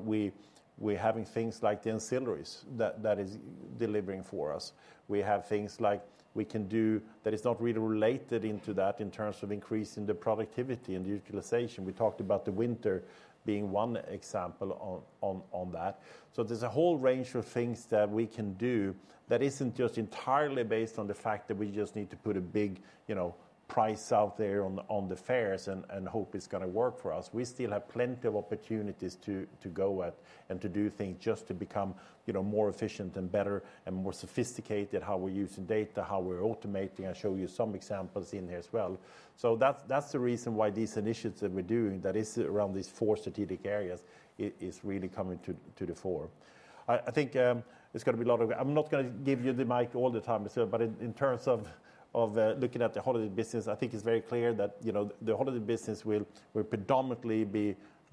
we're having things like the ancillaries that is delivering for us. We have things like we can do that is not really related to that in terms of increasing the productivity and utilization. We talked about the winter being one example on that. So there's a whole range of things that we can do that isn't just entirely based on the fact that we just need to put a big, you know, price out there on, on the fares and, and hope it's going to work for us. We still have plenty of opportunities to, to go at and to do things just to become, you know, more efficient and better and more sophisticated, how we're using data, how we're automating. I show you some examples in there as well. So that's, that's the reason why these initiatives that we're doing, that is around these four strategic areas, is, is really coming to the, to the fore. I, I think, there's going to be a lot of... I'm not going to give you the mic all the time, but in terms of looking at the holiday business, I think it's very clear that, you know, the holiday business will predominantly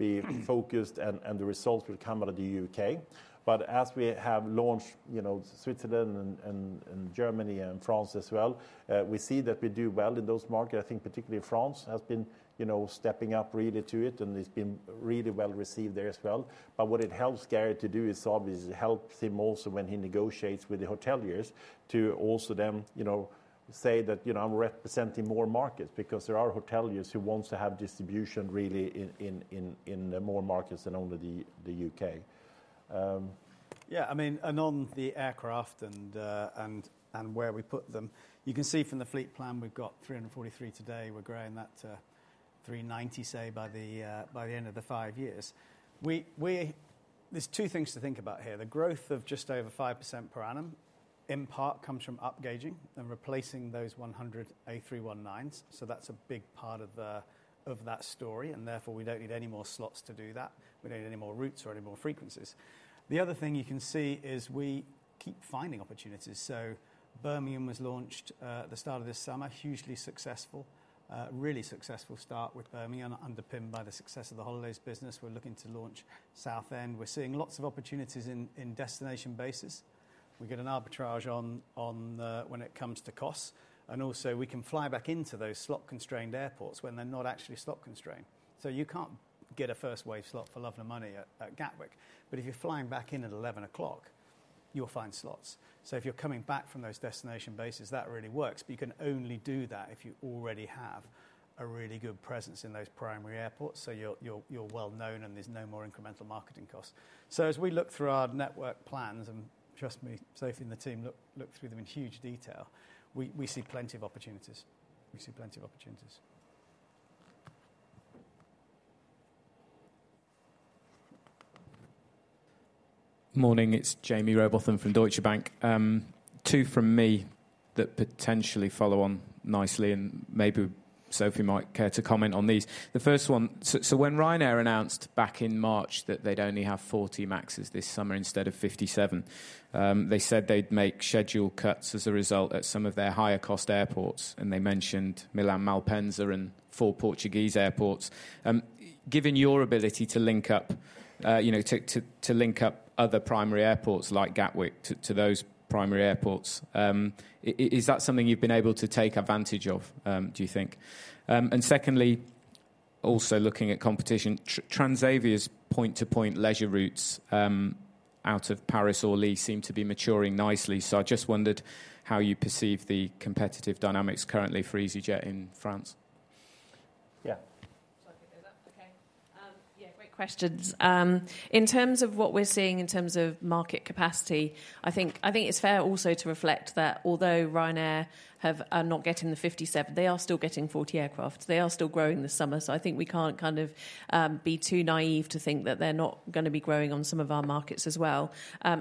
be focused and the results will come out of the U.K.. But as we have launched, you know, Switzerland and Germany and France as well, we see that we do well in those markets. I think particularly France has been, you know, stepping up really to it, and it's been really well received there as well. What it helps Gary to do is obviously, it helps him also when he negotiates with the hoteliers, to also them, you know, say that, "You know, I'm representing more markets," because there are hoteliers who wants to have distribution really in more markets than only the U.K.. Yeah, I mean, and on the aircraft and where we put them, you can see from the fleet plan, we've got 343 today. We're growing that to 390, say, by the end of the five years. There's two things to think about here. The growth of just over 5% per annum, in part, comes from upgauging and replacing those 100 A319s. So that's a big part of that story, and therefore, we don't need any more slots to do that. We don't need any more routes or any more frequencies. The other thing you can see is we keep finding opportunities. So Birmingham was launched at the start of this summer, hugely successful. Really successful start with Birmingham, underpinned by the success of the holidays business. We're looking to launch Southend. We're seeing lots of opportunities in destination bases. We get an arbitrage on the costs when it comes to costs, and also we can fly back into those slot-constrained airports when they're not actually slot constrained. So you can't get a first wave slot for love or money at Gatwick, but if you're flying back in at eleven o'clock, you'll find slots. So if you're coming back from those destination bases, that really works, but you can only do that if you already have a really good presence in those primary airports. So you're well known, and there's no more incremental marketing costs. So as we look through our network plans, and trust me, Sophie and the team look through them in huge detail, we see plenty of opportunities. We see plenty of opportunities. Morning, it's Jamie Rowbotham from Deutsche Bank. Two from me that potentially follow on nicely, and maybe Sophie might care to comment on these. The first one, when Ryanair announced back in March that they'd only have 40 Maxs this summer instead of 57, they said they'd make schedule cuts as a result at some of their higher-cost airports, and they mentioned Milan Malpensa and 4 Portuguese airports. Given your ability to link up, you know, to link up other primary airports like Gatwick to those primary airports, is that something you've been able to take advantage of, do you think? And secondly, also looking at competition, Transavia's point-to-point leisure routes out of Paris or Lille seem to be maturing nicely. I just wondered how you perceive the competitive dynamics currently for easyJet in France? Yeah. ... great questions. In terms of what we're seeing in terms of market capacity, I think it's fair also to reflect that although Ryanair are not getting the 57, they are still getting 40 aircraft. They are still growing this summer, so I think we can't kind of be too naive to think that they're not gonna be growing on some of our markets as well.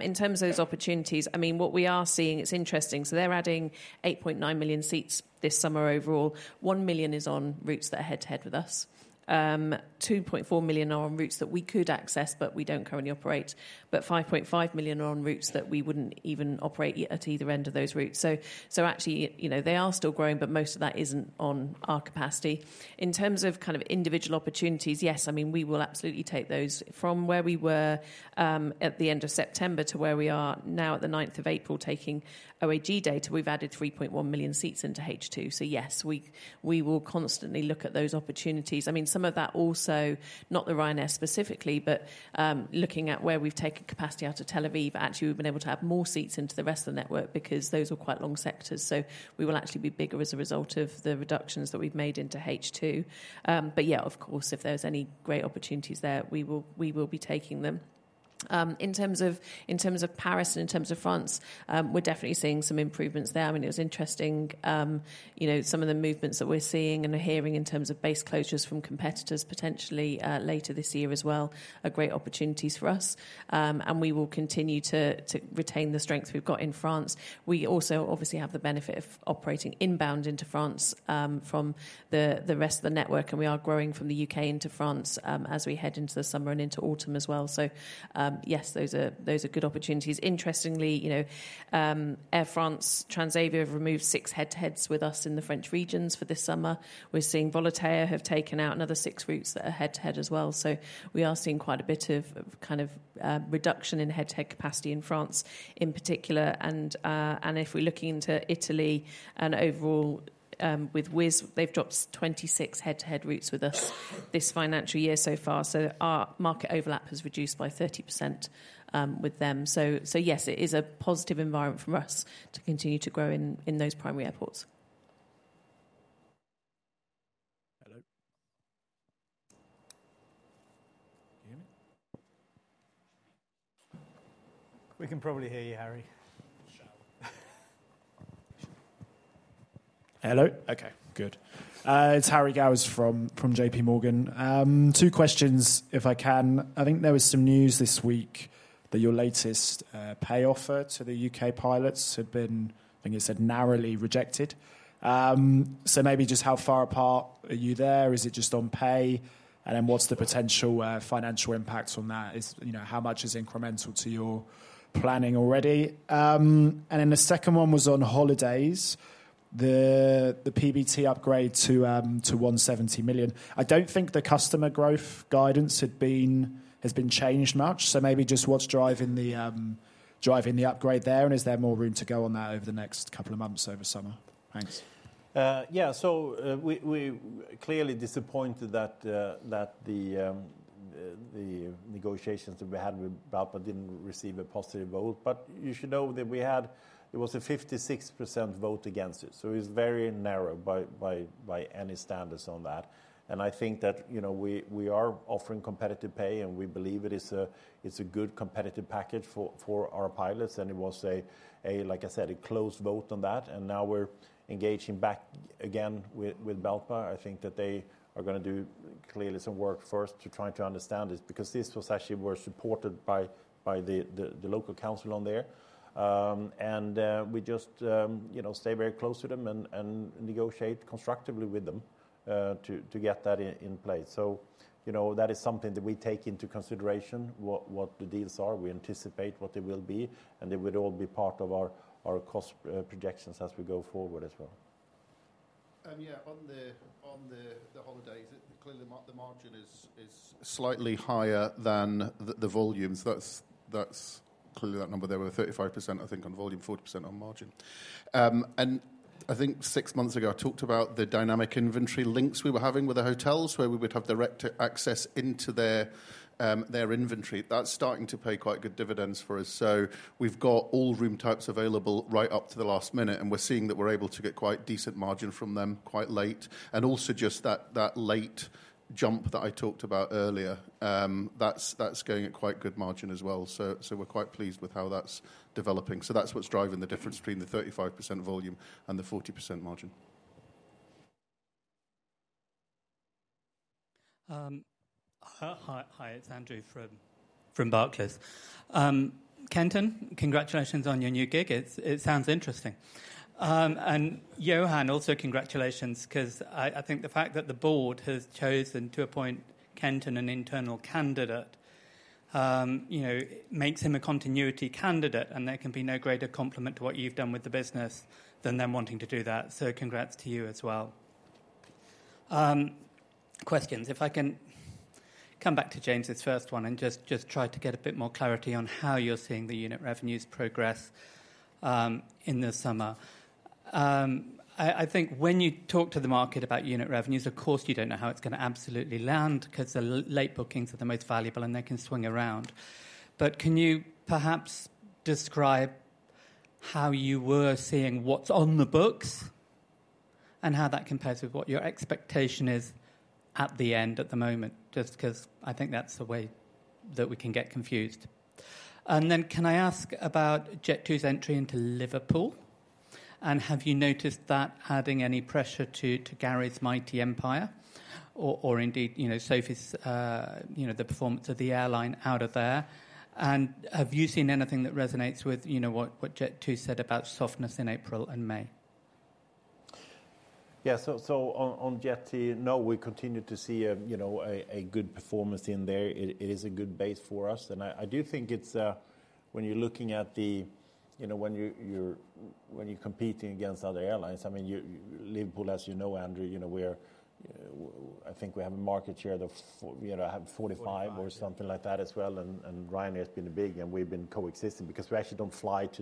In terms of those opportunities, I mean, what we are seeing, it's interesting. So they're adding 8.9 million seats this summer overall. 1 million is on routes that are head-to-head with us. 2.4 million are on routes that we could access, but we don't currently operate, but 5.5 million are on routes that we wouldn't even operate at either end of those routes. So, so actually, you know, they are still growing, but most of that isn't on our capacity. In terms of kind of individual opportunities, yes, I mean, we will absolutely take those. From where we were at the end of September to where we are now at the ninth of April, taking OAG data, we've added 3.1 million seats into H2. So yes, we, we will constantly look at those opportunities. I mean, some of that also, not the Ryanair specifically, but looking at where we've taken capacity out of Tel Aviv, actually, we've been able to add more seats into the rest of the network because those were quite long sectors. So we will actually be bigger as a result of the reductions that we've made into H2. But yeah, of course, if there's any great opportunities there, we will, we will be taking them. In terms of, in terms of Paris and in terms of France, we're definitely seeing some improvements there. I mean, it was interesting, you know, some of the movements that we're seeing and hearing in terms of base closures from competitors potentially, later this year as well, are great opportunities for us. And we will continue to, to retain the strength we've got in France. We also, obviously, have the benefit of operating inbound into France, from the, the rest of the network, and we are growing from the U.K. into France, as we head into the summer and into autumn as well. So, yes, those are, those are good opportunities. Interestingly, you know, Air France, Transavia have removed 6 head-to-heads with us in the French regions for this summer. We're seeing Volotea have taken out another 6 routes that are head-to-head as well. So we are seeing quite a bit of, of kind of, reduction in head-to-head capacity in France, in particular. And, and if we're looking into Italy and overall, with Wizz, they've dropped 26 head-to-head routes with us this financial year so far, so our market overlap has reduced by 30%, with them. So, so yes, it is a positive environment for us to continue to grow in, in those primary airports. Hello? Can you hear me? We can probably hear you, Harry. Hello? Okay, good. It's Harry Gowers from J.P. Morgan. Two questions, if I can. I think there was some news this week that your latest pay offer to the U.K pilots had been, I think you said, narrowly rejected. So maybe just how far apart are you there? Is it just on pay? And then what's the potential financial impact on that? You know, how much is incremental to your planning already? And then the second one was on holidays, the PBT upgrade to 170 million. I don't think the customer growth guidance had been, has been changed much, so maybe just what's driving the upgrade there, and is there more room to go on that over the next couple of months over summer? Thanks. Yeah. So, we clearly disappointed that the negotiations that we had with BALPA didn't receive a positive vote, but you should know that it was a 56% vote against it, so it's very narrow by any standards on that. And I think that, you know, we are offering competitive pay, and we believe it is a good competitive package for our pilots, and it was, like I said, a close vote on that, and now we're engaging back again with BALPA. I think that they are gonna do clearly some work first to try to understand this, because this was actually were supported by the local council on there. We just, you know, stay very close to them and negotiate constructively with them to get that in place. So, you know, that is something that we take into consideration, what the deals are. We anticipate what they will be, and they would all be part of our cost projections as we go forward as well. Yeah, on the holidays, clearly the margin is slightly higher than the volumes. That's clearly that number there were 35%, I think, on volume, 40% on margin. And I think six months ago, I talked about the dynamic inventory links we were having with the hotels, where we would have direct access into their inventory. That's starting to pay quite good dividends for us. So we've got all room types available right up to the last minute, and we're seeing that we're able to get quite decent margin from them quite late, and also just that late jump that I talked about earlier, that's going at quite good margin as well. So we're quite pleased with how that's developing. That's what's driving the difference between the 35% volume and the 40% margin. Hi, hi, it's Andrew from Barclays. Kenton, congratulations on your new gig. It sounds interesting. And Johan, also congratulations because I think the fact that the board has chosen to appoint Kenton an internal candidate, you know, makes him a continuity candidate, and there can be no greater compliment to what you've done with the business than them wanting to do that. So congrats to you as well. Questions. If I can come back to James' first one and just try to get a bit more clarity on how you're seeing the unit revenues progress in the summer. I think when you talk to the market about unit revenues, of course, you don't know how it's going to absolutely land because the late bookings are the most valuable, and they can swing around. But can you perhaps describe how you were seeing what's on the books?... and how that compares with what your expectation is at the end, at the moment. Just because I think that's the way that we can get confused. And then can I ask about Jet2's entry into Liverpool? And have you noticed that adding any pressure to Gary's mighty empire or indeed, you know, Sophie's, you know, the performance of the airline out of there? And have you seen anything that resonates with, you know, what Jet2 said about softness in April and May? Yeah. So on Jet2, no, we continue to see a, you know, a good performance in there. It is a good base for us, and I do think it's when you're looking at the, you know, when you're competing against other airlines, I mean, you, Liverpool, as you know, Andrew, you know, we're, I think we have a market share of, you know, 45- Forty-five... or something like that as well, and Ryanair has been big, and we've been coexisting. Because we actually don't fly to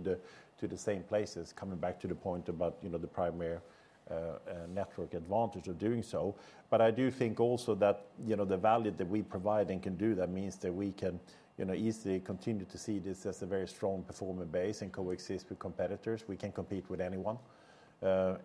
the same places, coming back to the point about, you know, the primary network advantage of doing so. But I do think also that, you know, the value that we provide and can do that means that we can, you know, easily continue to see this as a very strong performing base and coexist with competitors. We can compete with anyone,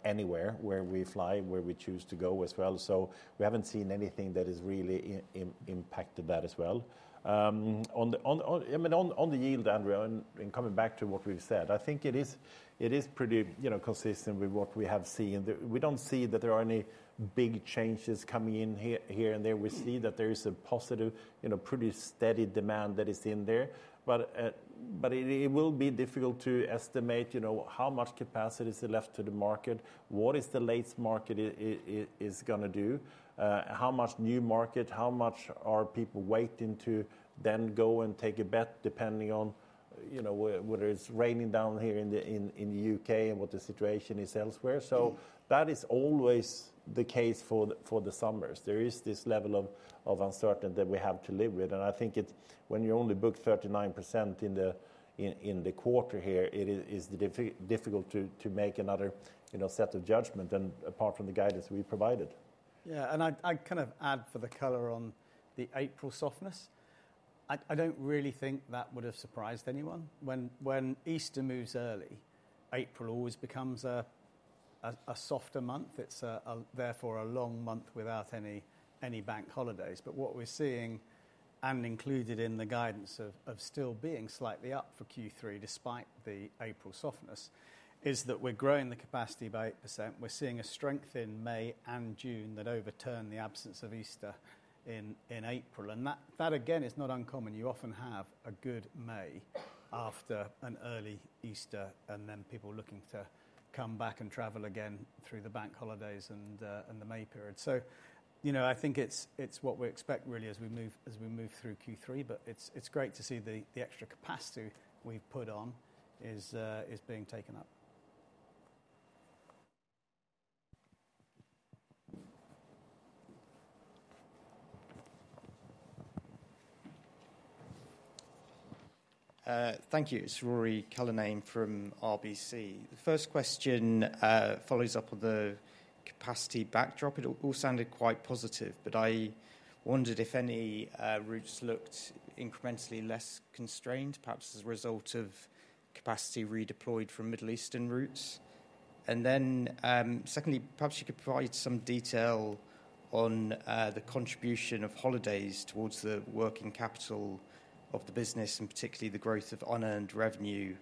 anywhere where we fly, where we choose to go as well. So we haven't seen anything that has really impacted that as well. On the yield, Andrew, I mean, and coming back to what we've said, I think it is pretty, you know, consistent with what we have seen. We don't see that there are any big changes coming in here, here and there. We see that there is a positive, you know, pretty steady demand that is in there. But, but it will be difficult to estimate, you know, how much capacity is left to the market, what is the lease market is gonna do, how much new market, how much are people waiting to then go and take a bet, depending on, you know, whether it's raining down here in the, in, in the U.K. and what the situation is elsewhere. So that is always the case for the, for the summers. There is this level of, of uncertainty that we have to live with, and I think it... When you only book 39% in the quarter here, it is difficult to make another, you know, set of judgment than apart from the guidance we provided. Yeah, and I'd kind of add for the color on the April softness. I don't really think that would have surprised anyone. When Easter moves early, April always becomes a softer month. It's a therefore a long month without any bank holidays. But what we're seeing, and included in the guidance of still being slightly up for Q3, despite the April softness, is that we're growing the capacity by 8%. We're seeing a strength in May and June that overturn the absence of Easter in April, and that again is not uncommon. You often have a good May after an early Easter, and then people looking to come back and travel again through the bank holidays and the May period. You know, I think it's what we expect really as we move through Q3, but it's great to see the extra capacity we've put on is being taken up. Thank you. It's Ruairi Cullinane from RBC. The first question follows up on the capacity backdrop. It all sounded quite positive, but I wondered if any routes looked incrementally less constrained, perhaps as a result of capacity redeployed from Middle Eastern routes. And then, secondly, perhaps you could provide some detail on the contribution of holidays towards the working capital of the business, and particularly the growth of unearned revenue,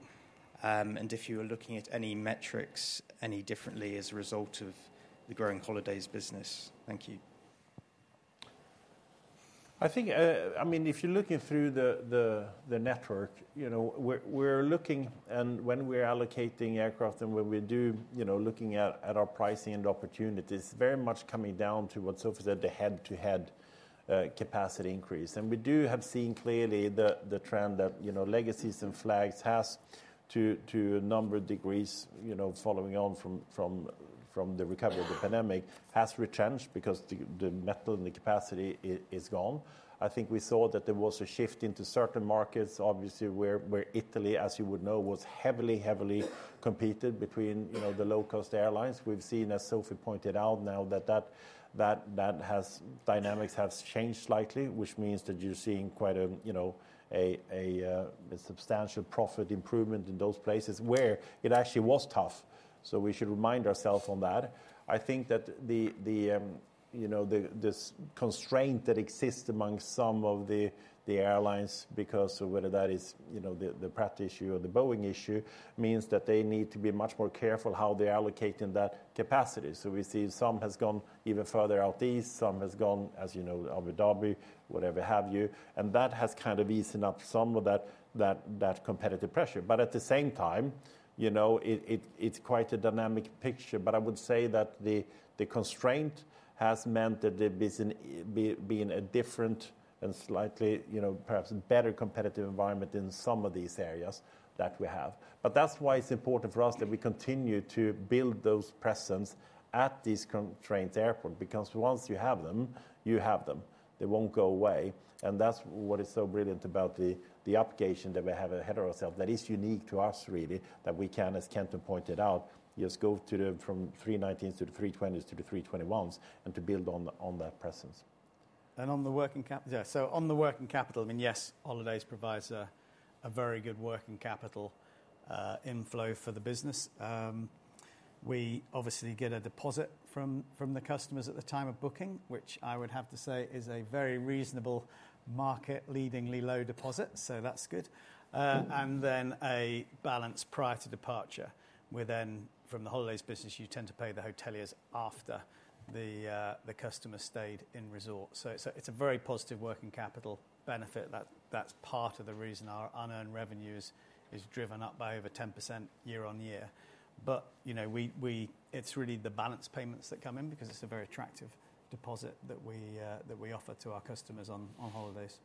and if you are looking at any metrics any differently as a result of the growing holidays business. Thank you. I think, I mean, if you're looking through the network, you know, we're looking, and when we're allocating aircraft and when we do, you know, looking at our pricing and opportunities, very much coming down to what Sophie said, the head-to-head capacity increase. We do have seen clearly the trend that, you know, legacies and flags has to a number of degrees, you know, following on from the recovery of the pandemic, has retrenched because the metal and the capacity is gone. I think we saw that there was a shift into certain markets, obviously, where Italy, as you would know, was heavily, heavily competed between, you know, the low-cost airlines. We've seen, as Sophie pointed out, now that the dynamics have changed slightly, which means that you're seeing quite a, you know, a substantial profit improvement in those places where it actually was tough. So we should remind ourselves on that. I think that the, you know, the this constraint that exists among some of the airlines because of whether that is, you know, the Pratt issue or the Boeing issue, means that they need to be much more careful how they're allocating that capacity. So we see some has gone even further out east, some has gone, as you know, Abu Dhabi, whatever have you, and that has kind of eases up some of that competitive pressure. But at the same time, you know, it it's quite a dynamic picture. But I would say that the constraint has meant that the business be in a different and slightly, you know, perhaps better competitive environment in some of these areas that we have. But that's why it's important for us that we continue to build those presence at these constrained airport, because once you have them, you have them. And that's what is so brilliant about the application that we have ahead of ourselves that is unique to us, really, that we can, as Kenton pointed out, just go from 319s to the 320s to the 321s and to build on that presence. ...On the working yeah, so on the working capital, I mean, yes, holidays provides a very good working capital inflow for the business. We obviously get a deposit from the customers at the time of booking, which I would have to say is a very reasonable market-leadingly low deposit, so that's good. And then a balance prior to departure, where then from the holidays business, you tend to pay the hoteliers after the customer stayed in resort. So it's a very positive working capital benefit that that's part of the reason our unearned revenues is driven up by over 10% year-on-year. But, you know, we it's really the balance payments that come in because it's a very attractive deposit that we offer to our customers on holidays.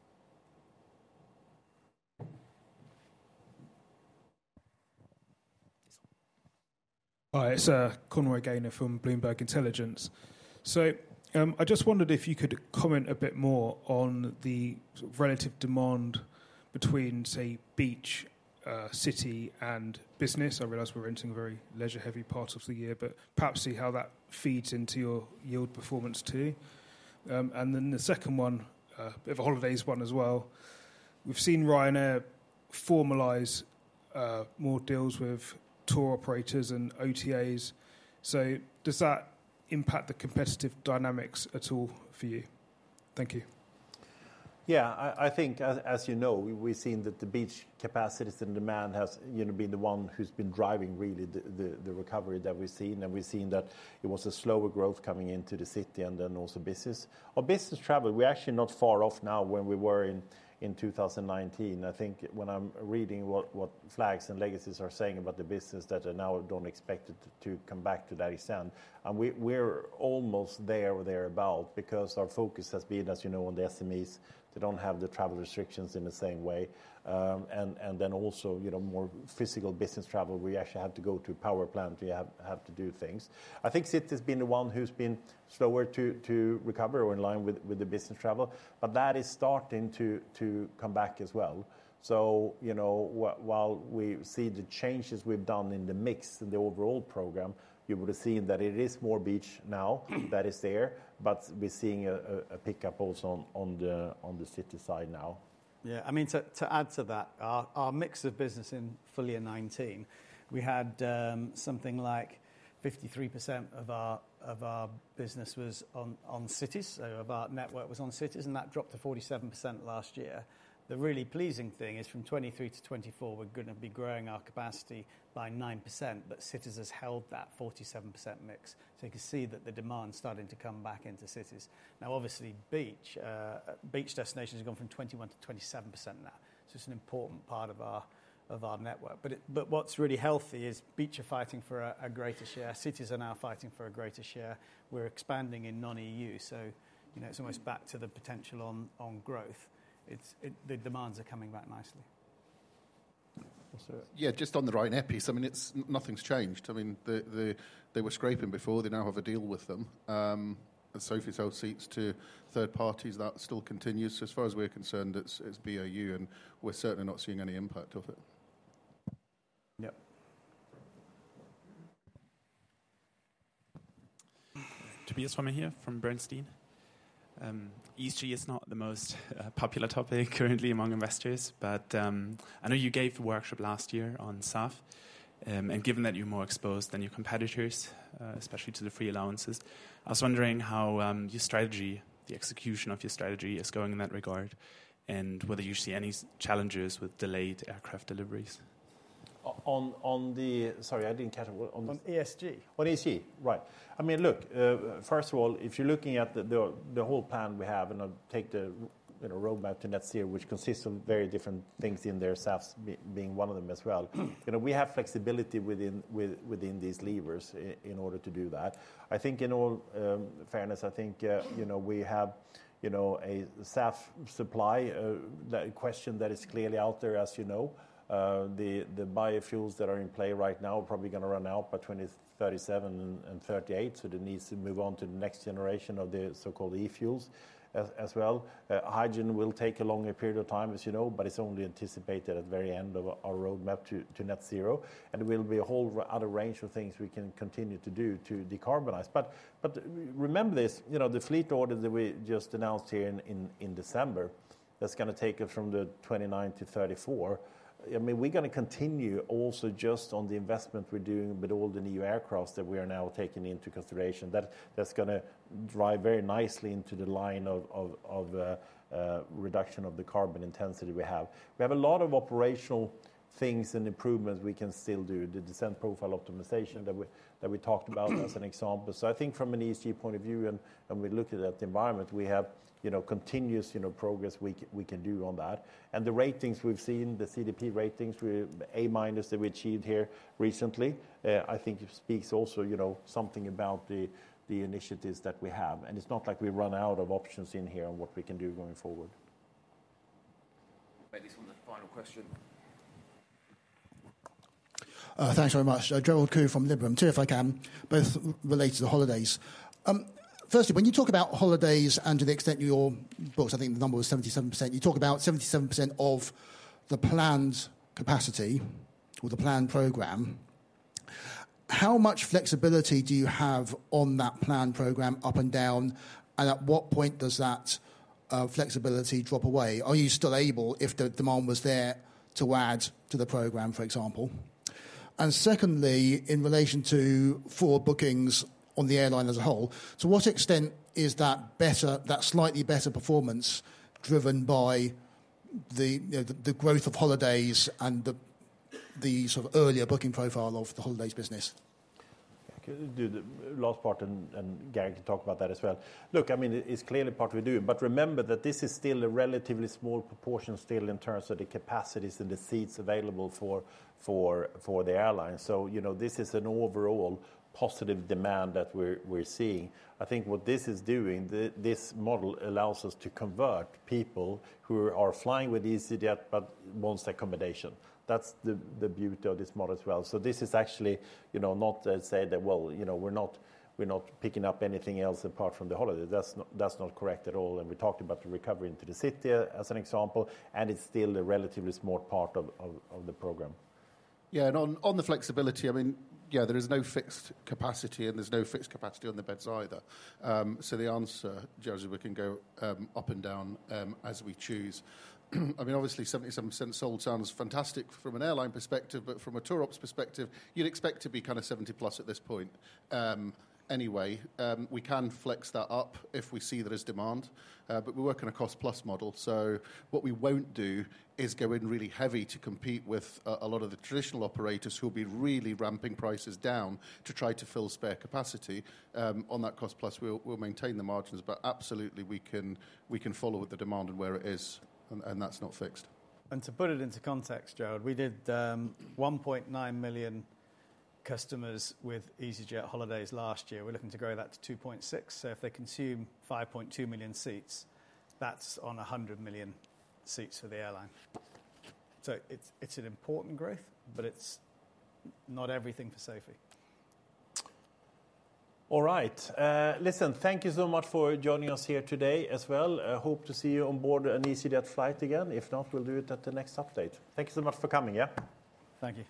Hi, it's Conroy Gaynorfrom Bloomberg Intelligence. So, I just wondered if you could comment a bit more on the relative demand between, say, beach, city and business. I realize we're entering a very leisure-heavy part of the year, but perhaps see how that feeds into your yield performance, too. And then the second one, bit of a holidays one as well. We've seen Ryanair formalize more deals with tour operators and OTAs. So does that impact the competitive dynamics at all for you? Thank you. Yeah, I think as you know, we've seen that the beach capacities and demand has, you know, been the one who's been driving really the recovery that we've seen, and we've seen that it was a slower growth coming into the city and then also business. On business travel, we're actually not far off now when we were in 2019. I think when I'm reading what flags and legacies are saying about the business, that they now don't expect it to come back to that extent. And we're almost there or thereabout, because our focus has been, as you know, on the SMEs. They don't have the travel restrictions in the same way. And then also, you know, more physical business travel, we actually have to go to power plant, we have to do things. I think city's been the one who's been slower to recover or in line with the business travel, but that is starting to come back as well. So, you know, while we see the changes we've done in the mix, in the overall program, you would have seen that it is more beach now that is there, but we're seeing a pickup also on the city side now. Yeah, I mean, to add to that, our mix of business in full year 2019, we had something like 53% of our business was on cities. So of our network was on cities, and that dropped to 47% last year. The really pleasing thing is from 2023 to 2024, we're going to be growing our capacity by 9%, but cities has held that 47% mix. So you can see that the demand's starting to come back into cities. Now, obviously, beach beach destinations have gone from 21% to 27% now. So it's an important part of our network. But it-- but what's really healthy is beach are fighting for a greater share. Cities are now fighting for a greater share. We're expanding in non-EU, so, you know, it's almost back to the potential on growth. It, the demands are coming back nicely. Yes, sir. Yeah, just on the Ryanair piece, I mean, it's nothing's changed. I mean, they were scraping before, they now have a deal with them. And so if you sell seats to third parties, that still continues. As far as we're concerned, it's BAU, and we're certainly not seeing any impact of it. Yeah. Tobias Fromme from Bernstein. ESG is not the most popular topic currently among investors, but I know you gave a workshop last year on SAF, and given that you're more exposed than your competitors, especially to the free allowances, I was wondering how your strategy, the execution of your strategy is going in that regard, and whether you see any challenges with delayed aircraft deliveries. Sorry, I didn't catch it. On- On ESG. On ESG, right. I mean, look, first of all, if you're looking at the whole plan we have, and I'll take the, you know, roadmap to net zero, which consists of very different things in there, SAFs being one of them as well. You know, we have flexibility within these levers in order to do that. I think in all fairness, I think, you know, we have a SAF supply that question that is clearly out there, as you know. The biofuels that are in play right now are probably going to run out by 2037 and 2038, so the need to move on to the next generation of the so-called e-fuels as well. Hydrogen will take a longer period of time, as you know, but it's only anticipated at the very end of our roadmap to net zero, and there will be a whole other range of things we can continue to do to decarbonize. But remember this, you know, the fleet order that we just announced here in December, that's going to take us from the 29-34. I mean, we're going to continue also just on the investment we're doing with all the new aircraft that we are now taking into consideration. That's going to drive very nicely into the line of reduction of the carbon intensity we have. We have a lot of operational things and improvements we can still do. The descent profile optimization that we talked about as an example. So I think from an ESG point of view, and we look at the environment, we have, you know, continuous, you know, progress we can do on that. And the ratings we've seen, the CDP ratings, with A- that we achieved here recently, I think it speaks also, you know, something about the initiatives that we have. And it's not like we've run out of options in here on what we can do going forward. Make this one the final question. Thanks very much. Gerald Khoo from Liberum. Two, if I can, both related to holidays. Firstly, when you talk about holidays, and to the extent you all... Well, I think the number was 77%. You talk about 77% of the planned capacity or the planned program... How much flexibility do you have on that planned program up and down? And at what point does that flexibility drop away? Are you still able, if the demand was there, to add to the program, for example? And secondly, in relation to forward bookings on the airline as a whole, to what extent is that better, that slightly better performance driven by the, you know, the growth of holidays and the sort of earlier booking profile of the holidays business? I can do the last part, and Garry can talk about that as well. Look, I mean, it's clearly part we do, but remember that this is still a relatively small proportion still in terms of the capacities and the seats available for the airline. So, you know, this is an overall positive demand that we're seeing. I think what this is doing, this model allows us to convert people who are flying with easyJet but wants accommodation. That's the beauty of this model as well. So this is actually, you know, not to say that, well, you know, we're not picking up anything else apart from the holiday. That's not correct at all. And we talked about the recovery into the city as an example, and it's still a relatively small part of the program. Yeah, and on the flexibility, I mean, yeah, there is no fixed capacity, and there's no fixed capacity on the beds either. So the answer, Gerard, is we can go up and down as we choose. I mean, obviously, 77% sold sounds fantastic from an airline perspective, but from a tour ops perspective, you'd expect to be kind of 70+ at this point. Anyway, we can flex that up if we see there is demand, but we work on a cost-plus model. So what we won't do is go in really heavy to compete with a lot of the traditional operators who will be really ramping prices down to try to fill spare capacity. On that cost-plus, we'll maintain the margins, but absolutely we can follow with the demand and where it is, and that's not fixed. And to put it into context, Gerard, we did 1.9 million customers with easyJet Holidays last year. We're looking to grow that to 2.6. So if they consume 5.2 million seats, that's on a 100 million seats for the airline. So it's, it's an important growth, but it's not everything for Sophie. All right. Listen, thank you so much for joining us here today as well. I hope to see you on board an easyJet flight again. If not, we'll do it at the next update. Thank you so much for coming, yeah. Thank you.